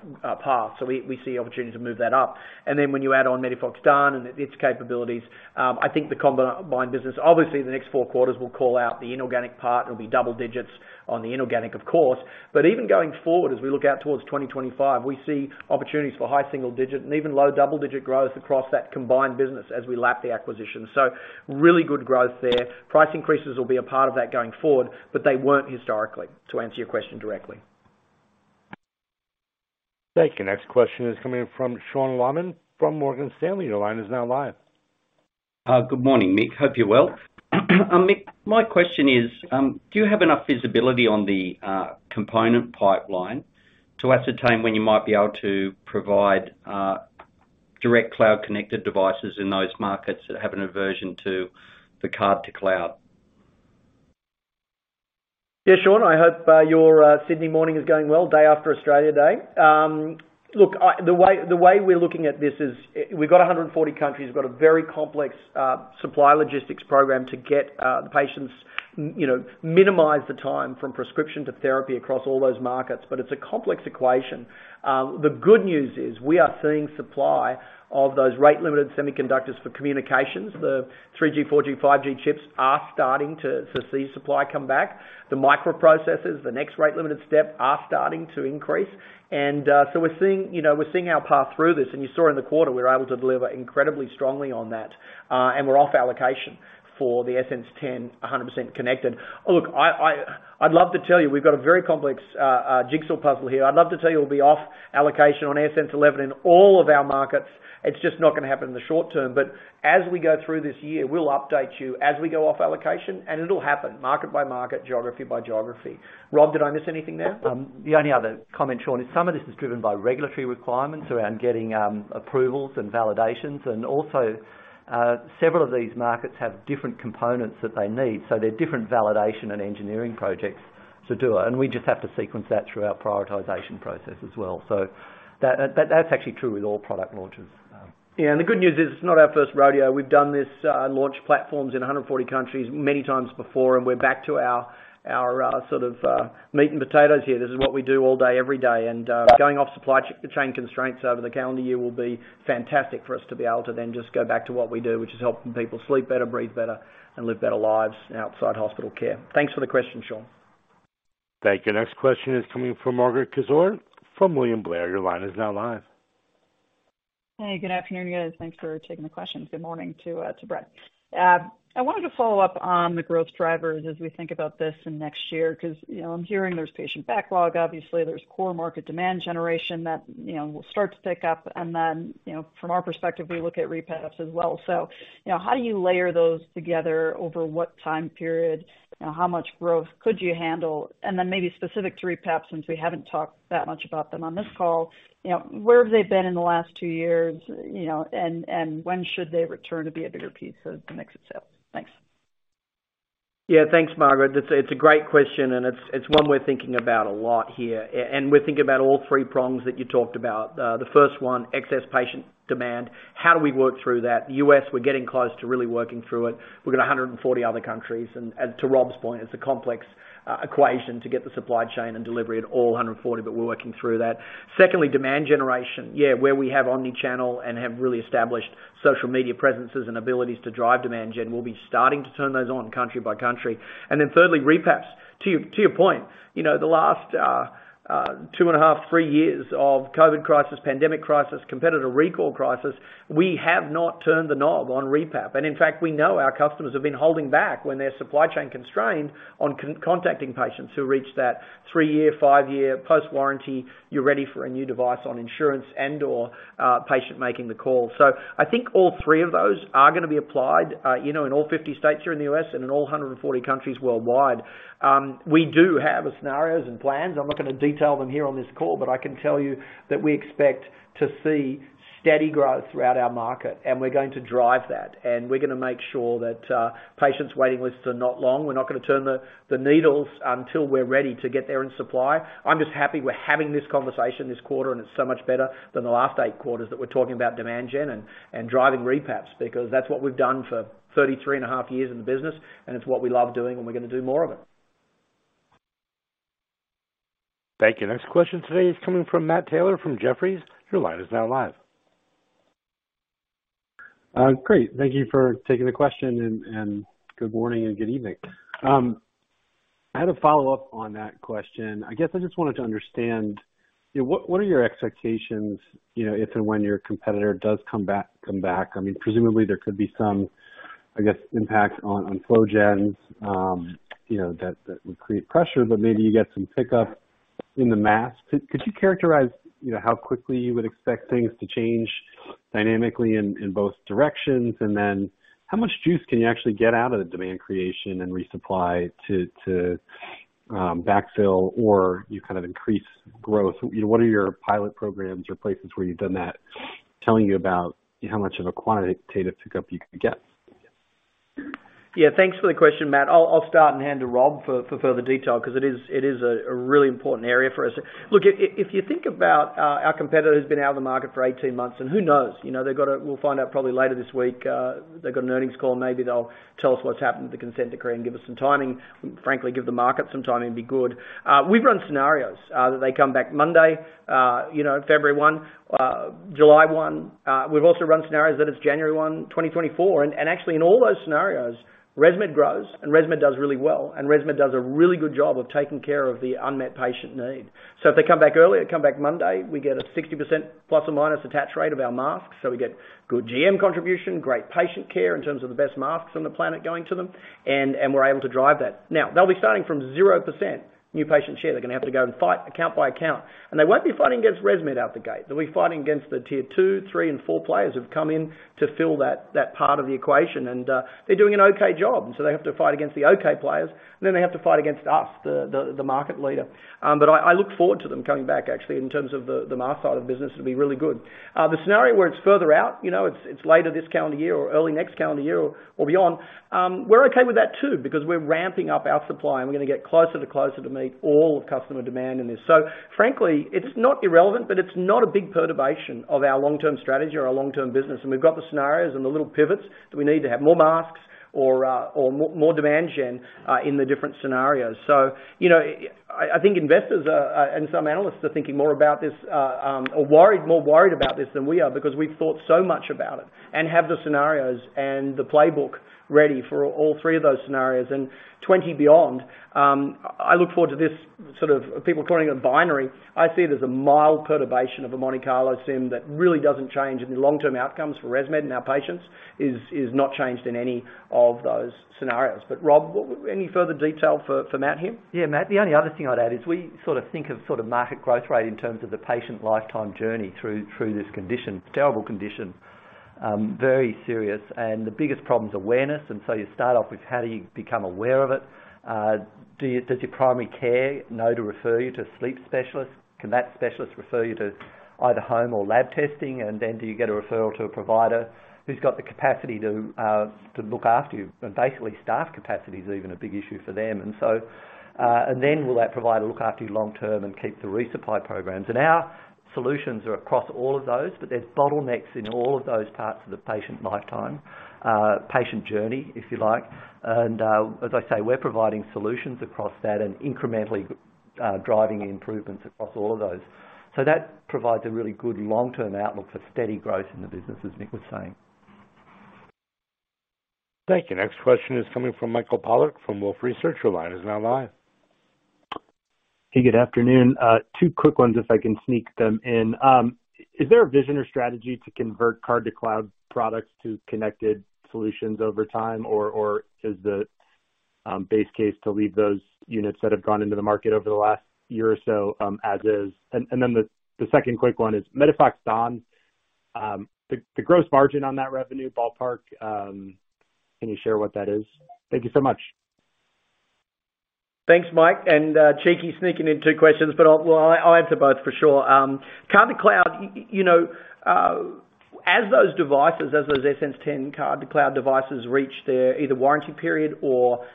path. We see opportunity to move that up. Then when you add on MEDIFOX DAN and its capabilities, I think the combined business, obviously the next four quarters will call out the inorganic part. It will be double-digits on the inorganic of course. But even going forward, as we look out towards 2025, we see opportunities for high single-digit and even low double-digit growth across that combined business as we lap the acquisition. Really good growth there. Price increases will be a part of that going forward, but they weren't historically, to answer your question directly. Thank you. Next question is coming from Sean Laaman from Morgan Stanley. Your line is now live. Good morning, Mick. Hope you're well. Mick, my question is, do you have enough visibility on the component pipeline to ascertain when you might be able to provide direct cloud connected devices in those markets that have an aversion to the Card-to-Cloud? Yeah. Sean, I hope your Sydney morning is going well, day after Australia Day. Look, the way we're looking at this is we've got 140 countries. We've got a very complex supply logistics program to get the patients, you know, minimize the time from prescription to therapy across all those markets, but it's a complex equation. The good news is we are seeing supply of those rate limited semiconductors for communications. The 3G, 4G, 5G chips are starting to see supply come back. The microprocessors, the next rate limited step are starting to increase. So we're seeing, you know, we're seeing our path through this. You saw in the quarter, we were able to deliver incredibly strongly on that. We're off allocation for the AirSense 10 100% connected. Look, I'd love to tell you we've got a very complex jigsaw puzzle here. I'd love to tell you we'll be off allocation on AirSense 11 in all of our markets. It's just not going to happen in the short term. As we go through this year, we'll update you as we go off allocation, and it'll happen market by market, geography by geography. Rob, did I miss anything there? The only other comment, Sean, is some of this is driven by regulatory requirements around getting approvals and validations. Also, several of these markets have different components that they need, so there are different validation and engineering projects to do it, and we just have to sequence that through our prioritization process as well. That's actually true with all product launches. The good news is it's not our first rodeo. We've done this, launch platforms in 140 countries many times before, and we're back to our, sort of, meat and potatoes here. This is what we do all day, every day. Going off supply chain constraints over the calendar year will be fantastic for us to be able to then just go back to what we do, which is helping people sleep better, breathe better, and live better lives outside hospital care. Thanks for the question, Sean. Thank you. Next question is coming from Margaret Kaczor from William Blair. Your line is now live. Hey, good afternoon, guys. Thanks for taking the questions. Good morning to Brett. I wanted to follow up on the growth drivers as we think about this and next year, 'cause, you know, I'm hearing there's patient backlog, obviously, there's core market demand generation that, you know, will start to pick up. Then, you know, from our perspective, we look at RePAPs as well. You know, how do you layer those together? Over what time period? You know, how much growth could you handle? Then maybe specific to RePAPs, since we haven't talked that much about them on this call, you know, where have they been in the last two years, you know, and when should they return to be a bigger piece of the mix itself? Thanks. Yeah. Thanks, Margaret. It's a great question, and it's one we're thinking about a lot here, and we're thinking about all three prongs that you talked about. The first one, excess patient demand. How do we work through that? The U.S., we're getting close to really working through it. We've got 140 other countries, and as to Rob's point, it's a complex equation to get the supply chain and delivery at all 140, but we're working through that. Secondly, demand generation. Yeah, where we have omni-channel and have really established social media presences and abilities to drive demand gen, we'll be starting to turn those on country by country. Thirdly, RePAPs. To your point. You know, the last 2.5-3 years of COVID crisis, pandemic crisis, competitor recall crisis, we have not turned the knob on RePAP. In fact, we know our customers have been holding back when they're supply chain constrained on contacting patients who reach that 3-year, 5-year post-warranty, you're ready for a new device on insurance and/or patient making the call. I think all three of those are going to be applied, you know, in all 50 states here in the U.S. and in all 140 countries worldwide. We do have scenarios and plans. I'm not going to detail them here on this call, but I can tell you that we expect to see steady growth throughout our market, and we're going to drive that, and we're going to make sure that patients' waiting lists are not long. We're not going to turn the needles until we're ready to get there in supply. I'm just happy we're having this conversation this quarter, and it's so much better than the last eight quarters that we're talking about demand gen and driving RePAPs, because that's what we've done for 33.5 years in the business, and it's what we love doing, and we're going to do more of it. Thank you. Next question today is coming from Matt Taylor from Jefferies. Your line is now live. Great. Thank you for taking the question and good morning and good evening. I had a follow-up on that question. I guess I just wanted to understand, you know, what are your expectations, you know, if and when your competitor does come back? I mean, presumably there could be some, I guess, impact on flow gen, you know, that would create pressure, but maybe you get some pickup in the mask. Could you characterize, you know, how quickly you would expect things to change dynamically in both directions? Then how much juice can you actually get out of the demand creation and ReSupply to backfill or you kind of increase growth? You know, what are your pilot programs or places where you've done that telling you about how much of a quantitative pickup you could get? Yeah. Thanks for the question, Matt. I'll start and hand to Rob for further detail 'cause it is a really important area for us. Look, if you think about, our competitor's been out of the market for 18 months, who knows, you know, we'll find out probably later this week, they've got an earnings call. Maybe they'll tell us what's happened with the consent decree and give us some timing. Frankly, give the market some timing, it'd be good. We've run scenarios that they come back Monday, you know, February 1, July 1. We've also run scenarios that it's January 1, 2024. Actually in all those scenarios, ResMed grows and ResMed does really well, and ResMed does a really good job of taking care of the unmet patient need. If they come back early or come back Monday, we get a 60% plus or minus attach rate of our masks. We get good GM contribution, great patient care in terms of the best masks on the planet going to them and we're able to drive that. Now, they'll be starting from 0% new patient share. They're going to have to go and fight account by account. They won't be fighting against ResMed out the gate. They'll be fighting against the tier 2, 3, and 4 players who've come in to fill that part of the equation. They're doing an okay job. They have to fight against the okay players, and then they have to fight against us, the market leader. I look forward to them coming back actually in terms of the mask side of business, it'll be really good. The scenario where it's further out, you know, it's later this calendar year or early next calendar year or beyond, we're okay with that too, because we're ramping up our supply, and we're going to get closer to meet all of customer demand in this. Frankly, it's not irrelevant, but it's not a big perturbation of our long-term strategy or our long-term business. We've got the scenarios and the little pivots that we need to have more masks or more demand gen in the different scenarios. You know, I think investors are, and some analysts are thinking more about this, or worried, more worried about this than we are because we've thought so much about it and have the scenarios and the playbook ready for all three of those scenarios, and 2020 beyond. I look forward to this sort of people calling it a binary. I see it as a mild perturbation of a Monte Carlo sim that really doesn't change any long-term outcomes for ResMed and our patients, is not changed in any of those scenarios. Rob, any further detail for Matt here? Yeah, Matt. The only other thing I'd add is we sort of think of sort of market growth rate in terms of the patient lifetime journey through this condition. Terrible condition, very serious. The biggest problem's awareness, you start off with how do you become aware of it? Does your primary care know to refer you to a sleep specialist? Can that specialist refer you to either home or lab testing? Do you get a referral to a provider who's got the capacity to look after you? Basically staff capacity is even a big issue for them. Will that provider look after you long term and keep the ReSupply programs? Our solutions are across all of those, but there's bottlenecks in all of those parts of the patient lifetime, patient journey, if you like. As I say, we're providing solutions across that and incrementally driving improvements across all of those. That provides a really good long-term outlook for steady growth in the business, as Mick was saying. Thank you. Next question is coming from Michael Polark from Wolfe Research. Your line is now live. Hey, good afternoon. Two quick ones if I can sneak them in. Is there a vision or strategy to convert Card-to-Cloud products to connected solutions over time? Or is the base case to leave those units that have gone into the market over the last year or so as is? Then the second quick one is MEDIFOX DAN, the gross margin on that revenue ballpark, can you share what that is? Thank you so much. Thanks, Mike, cheeky sneaking in two questions, but I'll answer both for sure. Card-to-Cloud, you know, as those devices, as those AirSense 10 Card-to-Cloud devices reach their either warranty period or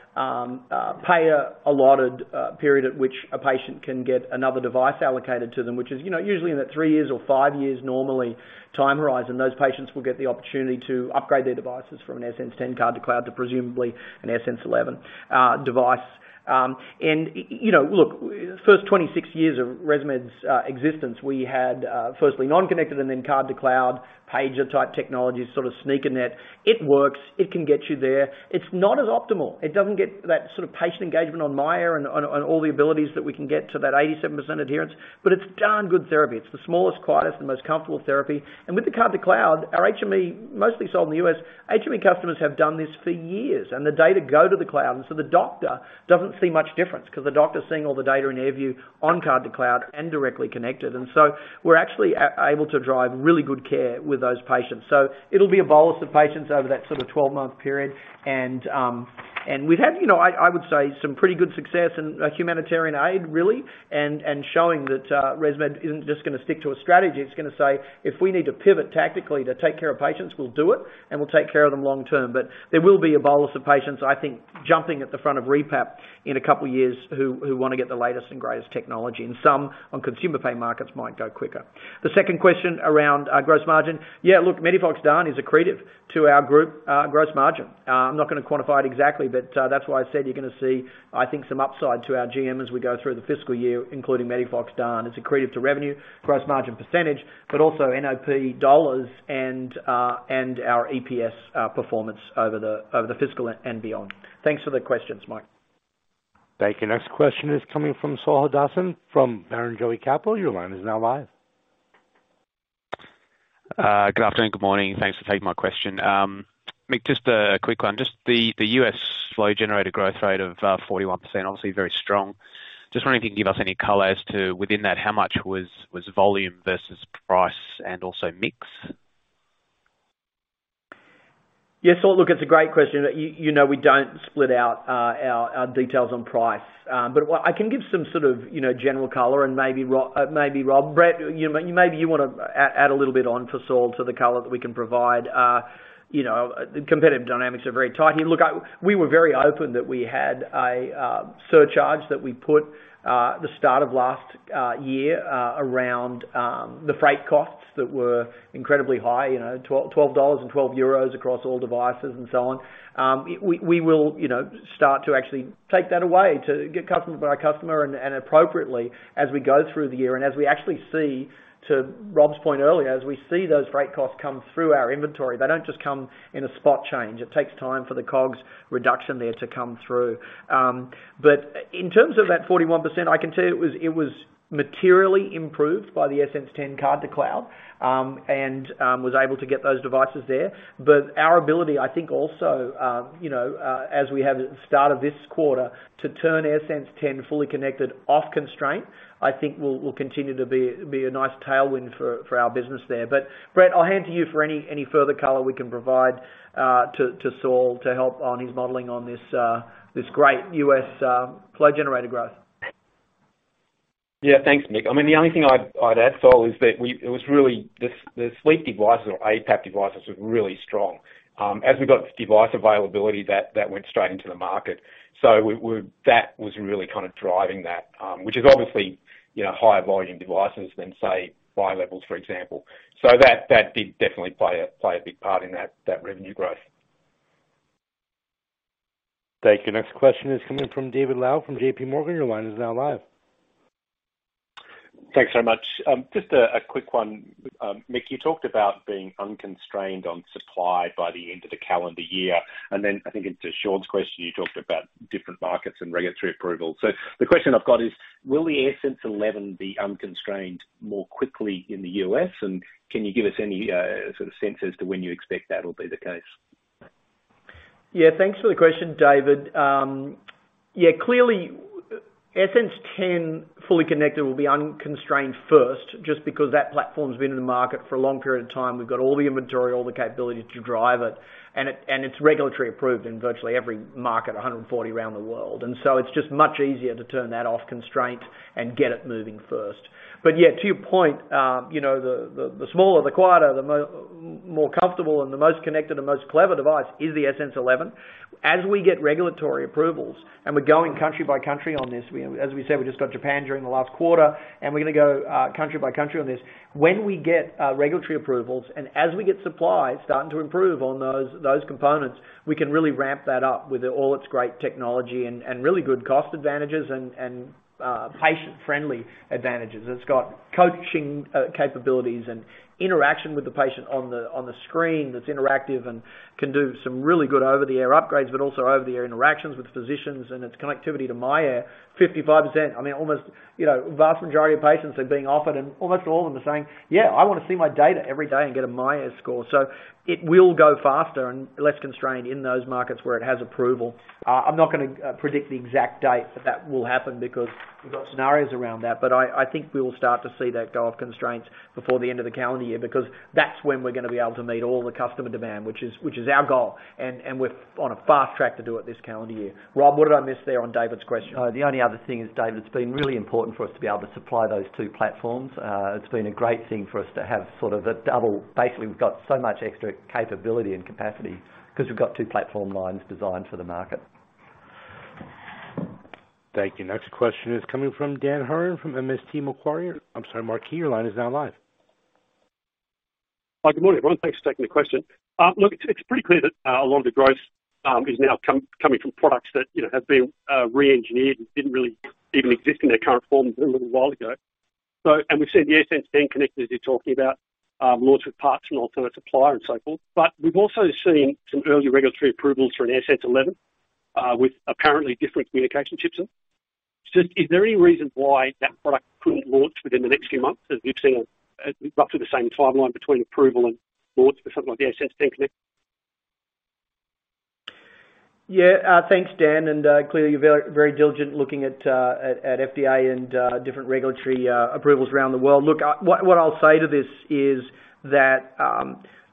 payer allotted period at which a patient can get another device allocated to them, which is, you know, usually in that 3 years or 5 years normally time horizon, those patients will get the opportunity to upgrade their devices from an AirSense 10 Card-to-Cloud to presumably an AirSense 11 device. You know, look, first 26 years of ResMed's existence, we had firstly non-connected and then Card-to-Cloud, pager-type technology, sort of sneaker net. It works. It can get you there. It's not as optimal. It doesn't get that sort of patient engagement on myAir and on all the abilities that we can get to that 87% adherence. It's darn good therapy. It's the smallest, quietest, and most comfortable therapy. With the Card-to-Cloud, our HME, mostly sold in the U.S., HME customers have done this for years. The data go to the cloud. The doctor doesn't see much difference 'cause the doctor's seeing all the data in AirView on Card-to-Cloud and directly connected. We're actually able to drive really good care with those patients. It'll be a bolus of patients over that sort of 12-month period. We've had, you know, I would say, some pretty good success in humanitarian aid, really, and showing that ResMed isn't just going to stick to a strategy. It's going to say, "If we need to pivot tactically to take care of patients, we'll do it, and we'll take care of them long term." There will be a bolus of patients, I think, jumping at the front of RePAP in a couple years who want to get the latest and greatest technology, and some on consumer pay markets might go quicker. The second question around gross margin. Yeah, look, MEDIFOX DAN is accretive to our group gross margin. I'm not going to quantify it exactly, but that's why I said you're going to see, I think, some upside to our GM as we go through the fiscal year, including MEDIFOX DAN. It's accretive to revenue, gross margin percentage, but also NOP dollars and our EPS performance over the fiscal and beyond. Thanks for the questions, Mike. Thank you. Next question is coming from Saul Hadassin from Barrenjoey Capital. Your line is now live. Good afternoon, good morning. Thanks for taking my question. Mick, just a quick one. Just the U.S. flow generator growth rate of 41%, obviously very strong. Just wondering if you can give us any color as to within that, how much was volume versus price and also mix? Yes. Look, it's a great question. You know, we don't split out our details on price. What I can give some sort of, you know, general color and maybe Rob, Brett, you know, maybe you want to add a little bit on for Saul to the color that we can provide. Competitive dynamics are very tight here. We were very open that we had a surcharge that we put the start of last year around the freight costs that were incredibly high, you know, $12 and 12 euros across all devices and so on. We will, you know, start to actually take that away to get customer by customer and appropriately as we go through the year. As we actually see, to Rob's point earlier, as we see those freight costs come through our inventory, they don't just come in a spot change. It takes time for the COGS reduction there to come through. In terms of that 41%, I can tell you it was materially improved by the AirSense 10 Card-to-Cloud, and was able to get those devices there. Our ability, I think also, you know, as we have at the start of this quarter to turn AirSense 10 fully connected off constraint, I think will continue to be a nice tailwind for our business there. Brett, I'll hand to you for any further color we can provide, to Saul to help on his modeling on this great U.S. flow generator growth. Yeah. Thanks, Mick. I mean, the only thing I'd add, Saul, is that it was really the sleep devices or APAP devices was really strong. As we got device availability that went straight into the market. That was really kind of driving that, which is obviously, you know, higher volume devices than, say, bilevels, for example. That did definitely play a big part in that revenue growth. Thank you. Next question is coming from David Low from JPMorgan. Your line is now live. Thanks very much. Just a quick one. Mick, you talked about being unconstrained on supply by the end of the calendar year. I think it's to Sean's question, you talked about different markets and regulatory approval. The question I've got is, will the AirSense 11 be unconstrained more quickly in the U.S.? Can you give us any sort of sense as to when you expect that will be the case? Thanks for the question, David. Clearly, AirSense 10 fully connected will be unconstrained first, just because that platform's been in the market for a long period of time. We've got all the inventory, all the capability to drive it, and it's regulatory approved in virtually every market, 140 around the world. It's just much easier to turn that off constraint and get it moving first. Yeah, to your point, you know, the, the smaller, the quieter, the more comfortable and the most connected and most clever device is the AirSense 11. As we get regulatory approvals, and we're going country by country on this, as we said, we just got Japan during the last quarter, and we're going to go country by country on this. When we get regulatory approvals, as we get supply starting to improve on those components, we can really ramp that up with all its great technology and really good cost advantages and patient-friendly advantages. It's got coaching capabilities and interaction with the patient on the, on the screen that's interactive and can do some really good over-the-air upgrades, but also over-the-air interactions with physicians and its connectivity to myAir. 55%, I mean, almost, you know, vast majority of patients are being offered, and almost all of them are saying, "Yeah, I want to see my data every day and get a myAir score." It will go faster and less constrained in those markets where it has approval. I'm not going to predict the exact date that that will happen because we've got scenarios around that. I think we will start to see that go off constraints before the end of the calendar year, because that's when we're going to be able to meet all the customer demand, which is our goal. We're on a fast track to do it this calendar year. Rob, what did I miss there on David's question? Oh, the only other thing is, David, it's been really important for us to be able to supply those 2 platforms. It's been a great thing for us to have. Basically, we've got so much extra capability and capacity 'cause we've got 2 platform lines designed for the market. Thank you. Next question is coming from Dan Hurren from MST Marquee. I'm sorry, Mark, your line is now live. Hi, good morning, everyone. Thanks for taking the question. look, it's pretty clear that a lot of the growth is now coming from products that, you know, have been reengineered and didn't really even exist in their current form a little while ago. and we've seen the AirSense 10 connectors you're talking about, launched with parts from an alternate supplier and so forth. We've also seen some early regulatory approvals for an AirSense 11 with apparently different communication chips in. Just, is there any reason why that product couldn't launch within the next few months, as we've seen roughly the same timeline between approval and launch for something like the AirSense 10 connect? Thanks, Dan. Clearly, you're very, very diligent looking at FDA and different regulatory approvals around the world. What I'll say to this is that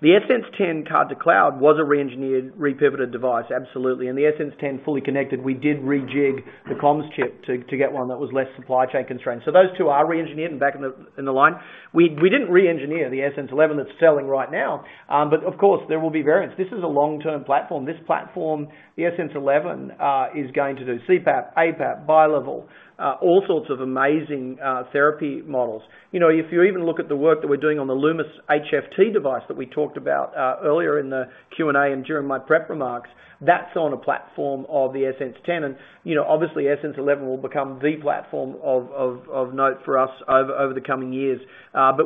the AirSense 10 Card-to-Cloud was a reengineered, repivoted device, absolutely. The AirSense 10 fully connected, we did rejig the comms chip to get one that was less supply chain constrained. Those two are reengineered and back in the line. We didn't reengineer the AirSense 11 that's selling right now. But of course, there will be variants. This is a long-term platform. This platform, the AirSense 11, is going to do CPAP, APAP, bilevel, all sorts of amazing therapy models. You know, if you even look at the work that we're doing on the Lumis HFT device that we talked about earlier in the Q&A and during my prep remarks, that's on a platform of the AirSense 10. You know, obviously, AirSense 11 will become the platform of note for us over the coming years.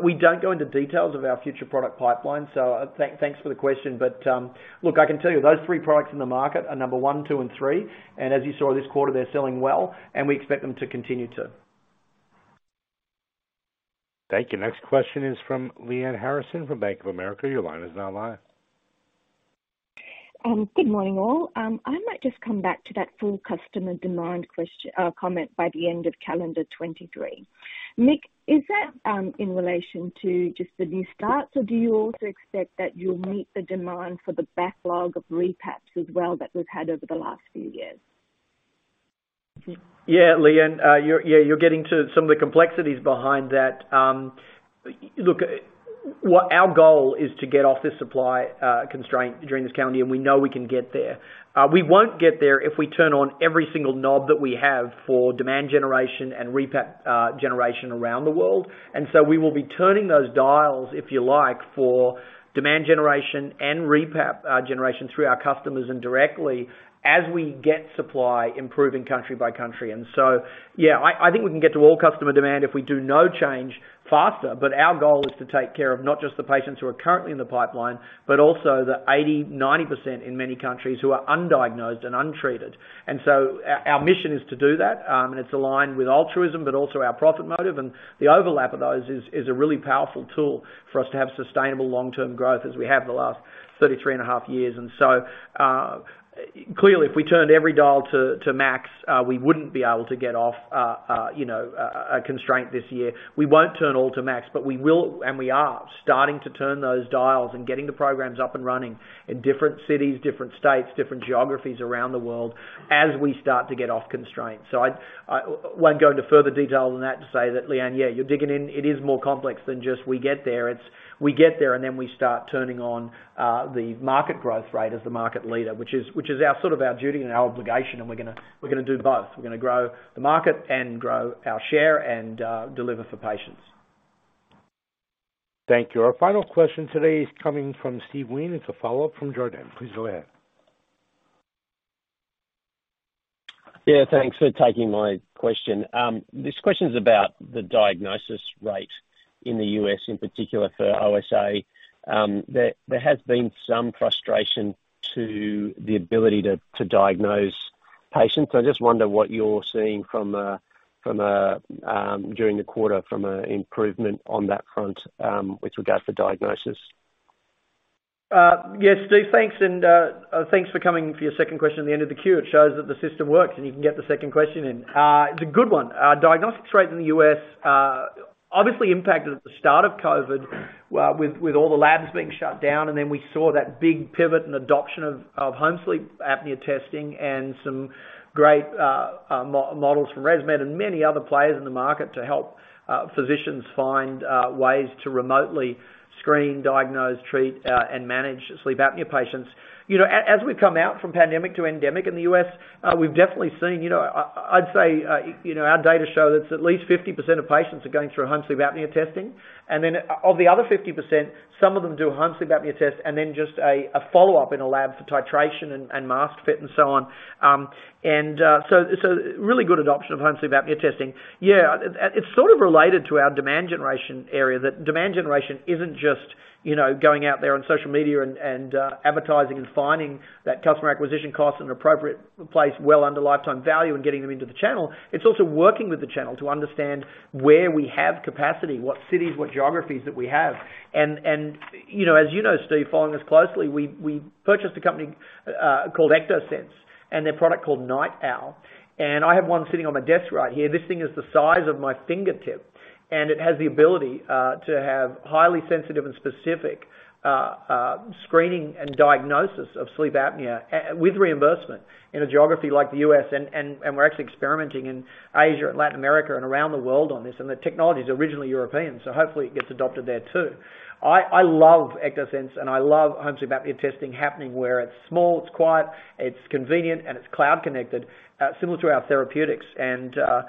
We don't go into details of our future product pipeline. Thanks for the question. Look, I can tell you those three products in the market are number one, two, and three, and as you saw this quarter, they're selling well, and we expect them to continue to. Thank you. Next question is from Lyanne Harrison from Bank of America. Your line is now live. Good morning all. I might just come back to that full customer demand comment by the end of calendar 2023. Mick, is that in relation to just the new starts, or do you also expect that you'll meet the demand for the backlog of RePAPs as well that we've had over the last few years? Yeah. Lyanne, you're getting to some of the complexities behind that. Look, our goal is to get off this supply constraint during this calendar year. We know we can get there. We won't get there if we turn on every single knob that we have for demand generation and RePAP generation around the world. We will be turning those dials, if you like, for demand generation and RePAP generation through our customers and directly as we get supply improving country by country. Yeah, I think we can get to all customer demand if we do no change faster. But our goal is to take care of not just the patients who are currently in the pipeline, but also the 80%, 90% in many countries who are undiagnosed and untreated. Our mission is to do that, and it's aligned with altruism but also our profit motive. The overlap of those is a really powerful tool for us to have sustainable long-term growth as we have the last 33.5 years. Clearly, if we turned every dial to max, we wouldn't be able to get off, you know, a constraint this year. We won't turn all to max, but we will and we are starting to turn those dials and getting the programs up and running in different cities, different states, different geographies around the world as we start to get off constraints. I won't go into further detail than that to say that, Lyanne, yeah, you're digging in. It is more complex than just we get there. We get there and then we start turning on the market growth rate as the market leader, which is our sort of our duty and our obligation, and we're going to do both. We're going to grow the market and grow our share and deliver for patients. Thank you. Our final question today is coming from Steve Wheen. It's a follow-up from Jarden. Please go ahead. Yeah, thanks for taking my question. This question's about the diagnosis rate in the U.S. in particular for OSA. There has been some frustration to the ability to diagnose patients. I just wonder what you're seeing from a during the quarter from improvement on that front with regards to diagnosis. Yes, Steve. Thanks for coming for your second question at the end of the queue. It shows that the system works and you can get the second question in. It's a good one. Diagnostics rate in the U.S., obviously impacted at the start of COVID, with all the labs being shut down, and then we saw that big pivot and adoption of home sleep apnea testing and some great models from ResMed and many other players in the market to help physicians find ways to remotely screen, diagnose, treat, and manage sleep apnea patients. You know, as we come out from pandemic to endemic in the U.S., we've definitely seen, you know, I'd say, you know, our data show that at least 50% of patients are going through home sleep apnea testing. Of the other 50%, some of them do a home sleep apnea test and then just a follow-up in a lab for titration and mask fit and so on. So really good adoption of home sleep apnea testing. Yeah, it's sort of related to our demand generation area. That demand generation isn't just, you know, going out there on social media and, advertising and finding that customer acquisition cost in an appropriate place well under lifetime value and getting them into the channel. It's also working with the channel to understand where we have capacity, what cities, what geographies that we have. You know, as you know, Steve, following us closely, we purchased a company called Ectosense and their product called NightOwl, and I have one sitting on my desk right here. This thing is the size of my fingertip, and it has the ability to have highly sensitive and specific screening and diagnosis of sleep apnea and with reimbursement in a geography like the U.S. We're actually experimenting in Asia and Latin America and around the world on this. The technology is originally European, so hopefully it gets adopted there too. I love Ectosense, and I love home sleep apnea testing happening where it's small, it's quiet, it's convenient, and it's cloud connected, similar to our therapeutics. I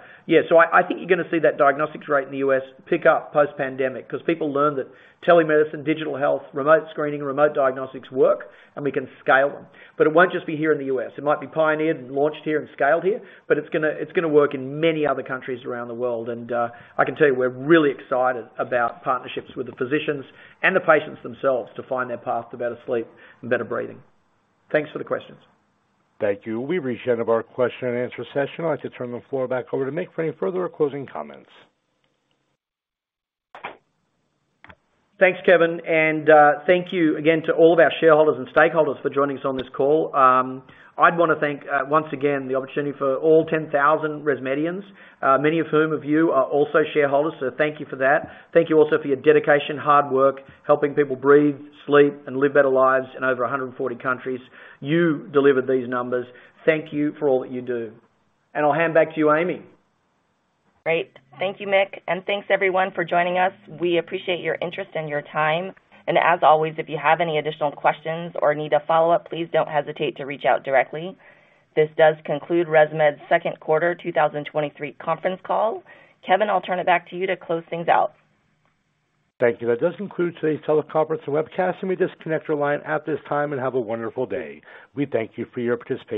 think you're going to see that diagnostics rate in the U.S. pick up post-pandemic 'cause people learn that telemedicine, digital health, remote screening, remote diagnostics work, and we can scale them. It won't just be here in the U.S. It might be pioneered and launched here and scaled here, but it's going to work in many other countries around the world. I can tell you we're really excited about partnerships with the physicians and the patients themselves to find their path to better sleep and better breathing. Thanks for the questions. Thank you. We've reached the end of our question and answer session. I'd like to turn the floor back over to Mick for any further closing comments. Thanks, Kevin. Thank you again to all of our shareholders and stakeholders for joining us on this call. I'd want to thank once again the opportunity for all 10,000 ResMedians, many of whom of you are also shareholders, so thank you for that. Thank you also for your dedication, hard work, helping people breathe, sleep, and live better lives in over 140 countries. You delivered these numbers. Thank you for all that you do. I'll hand back to you, Amy. Great. Thank you, Mick. Thanks everyone for joining us. We appreciate your interest and your time. As always, if you have any additional questions or need a follow-up, please don't hesitate to reach out directly. This does conclude ResMed's second quarter 2023 conference call. Kevin, I'll turn it back to you to close things out. Thank you. That does conclude today's teleconference webcast. You may disconnect your line at this time and have a wonderful day. We thank you for your participation.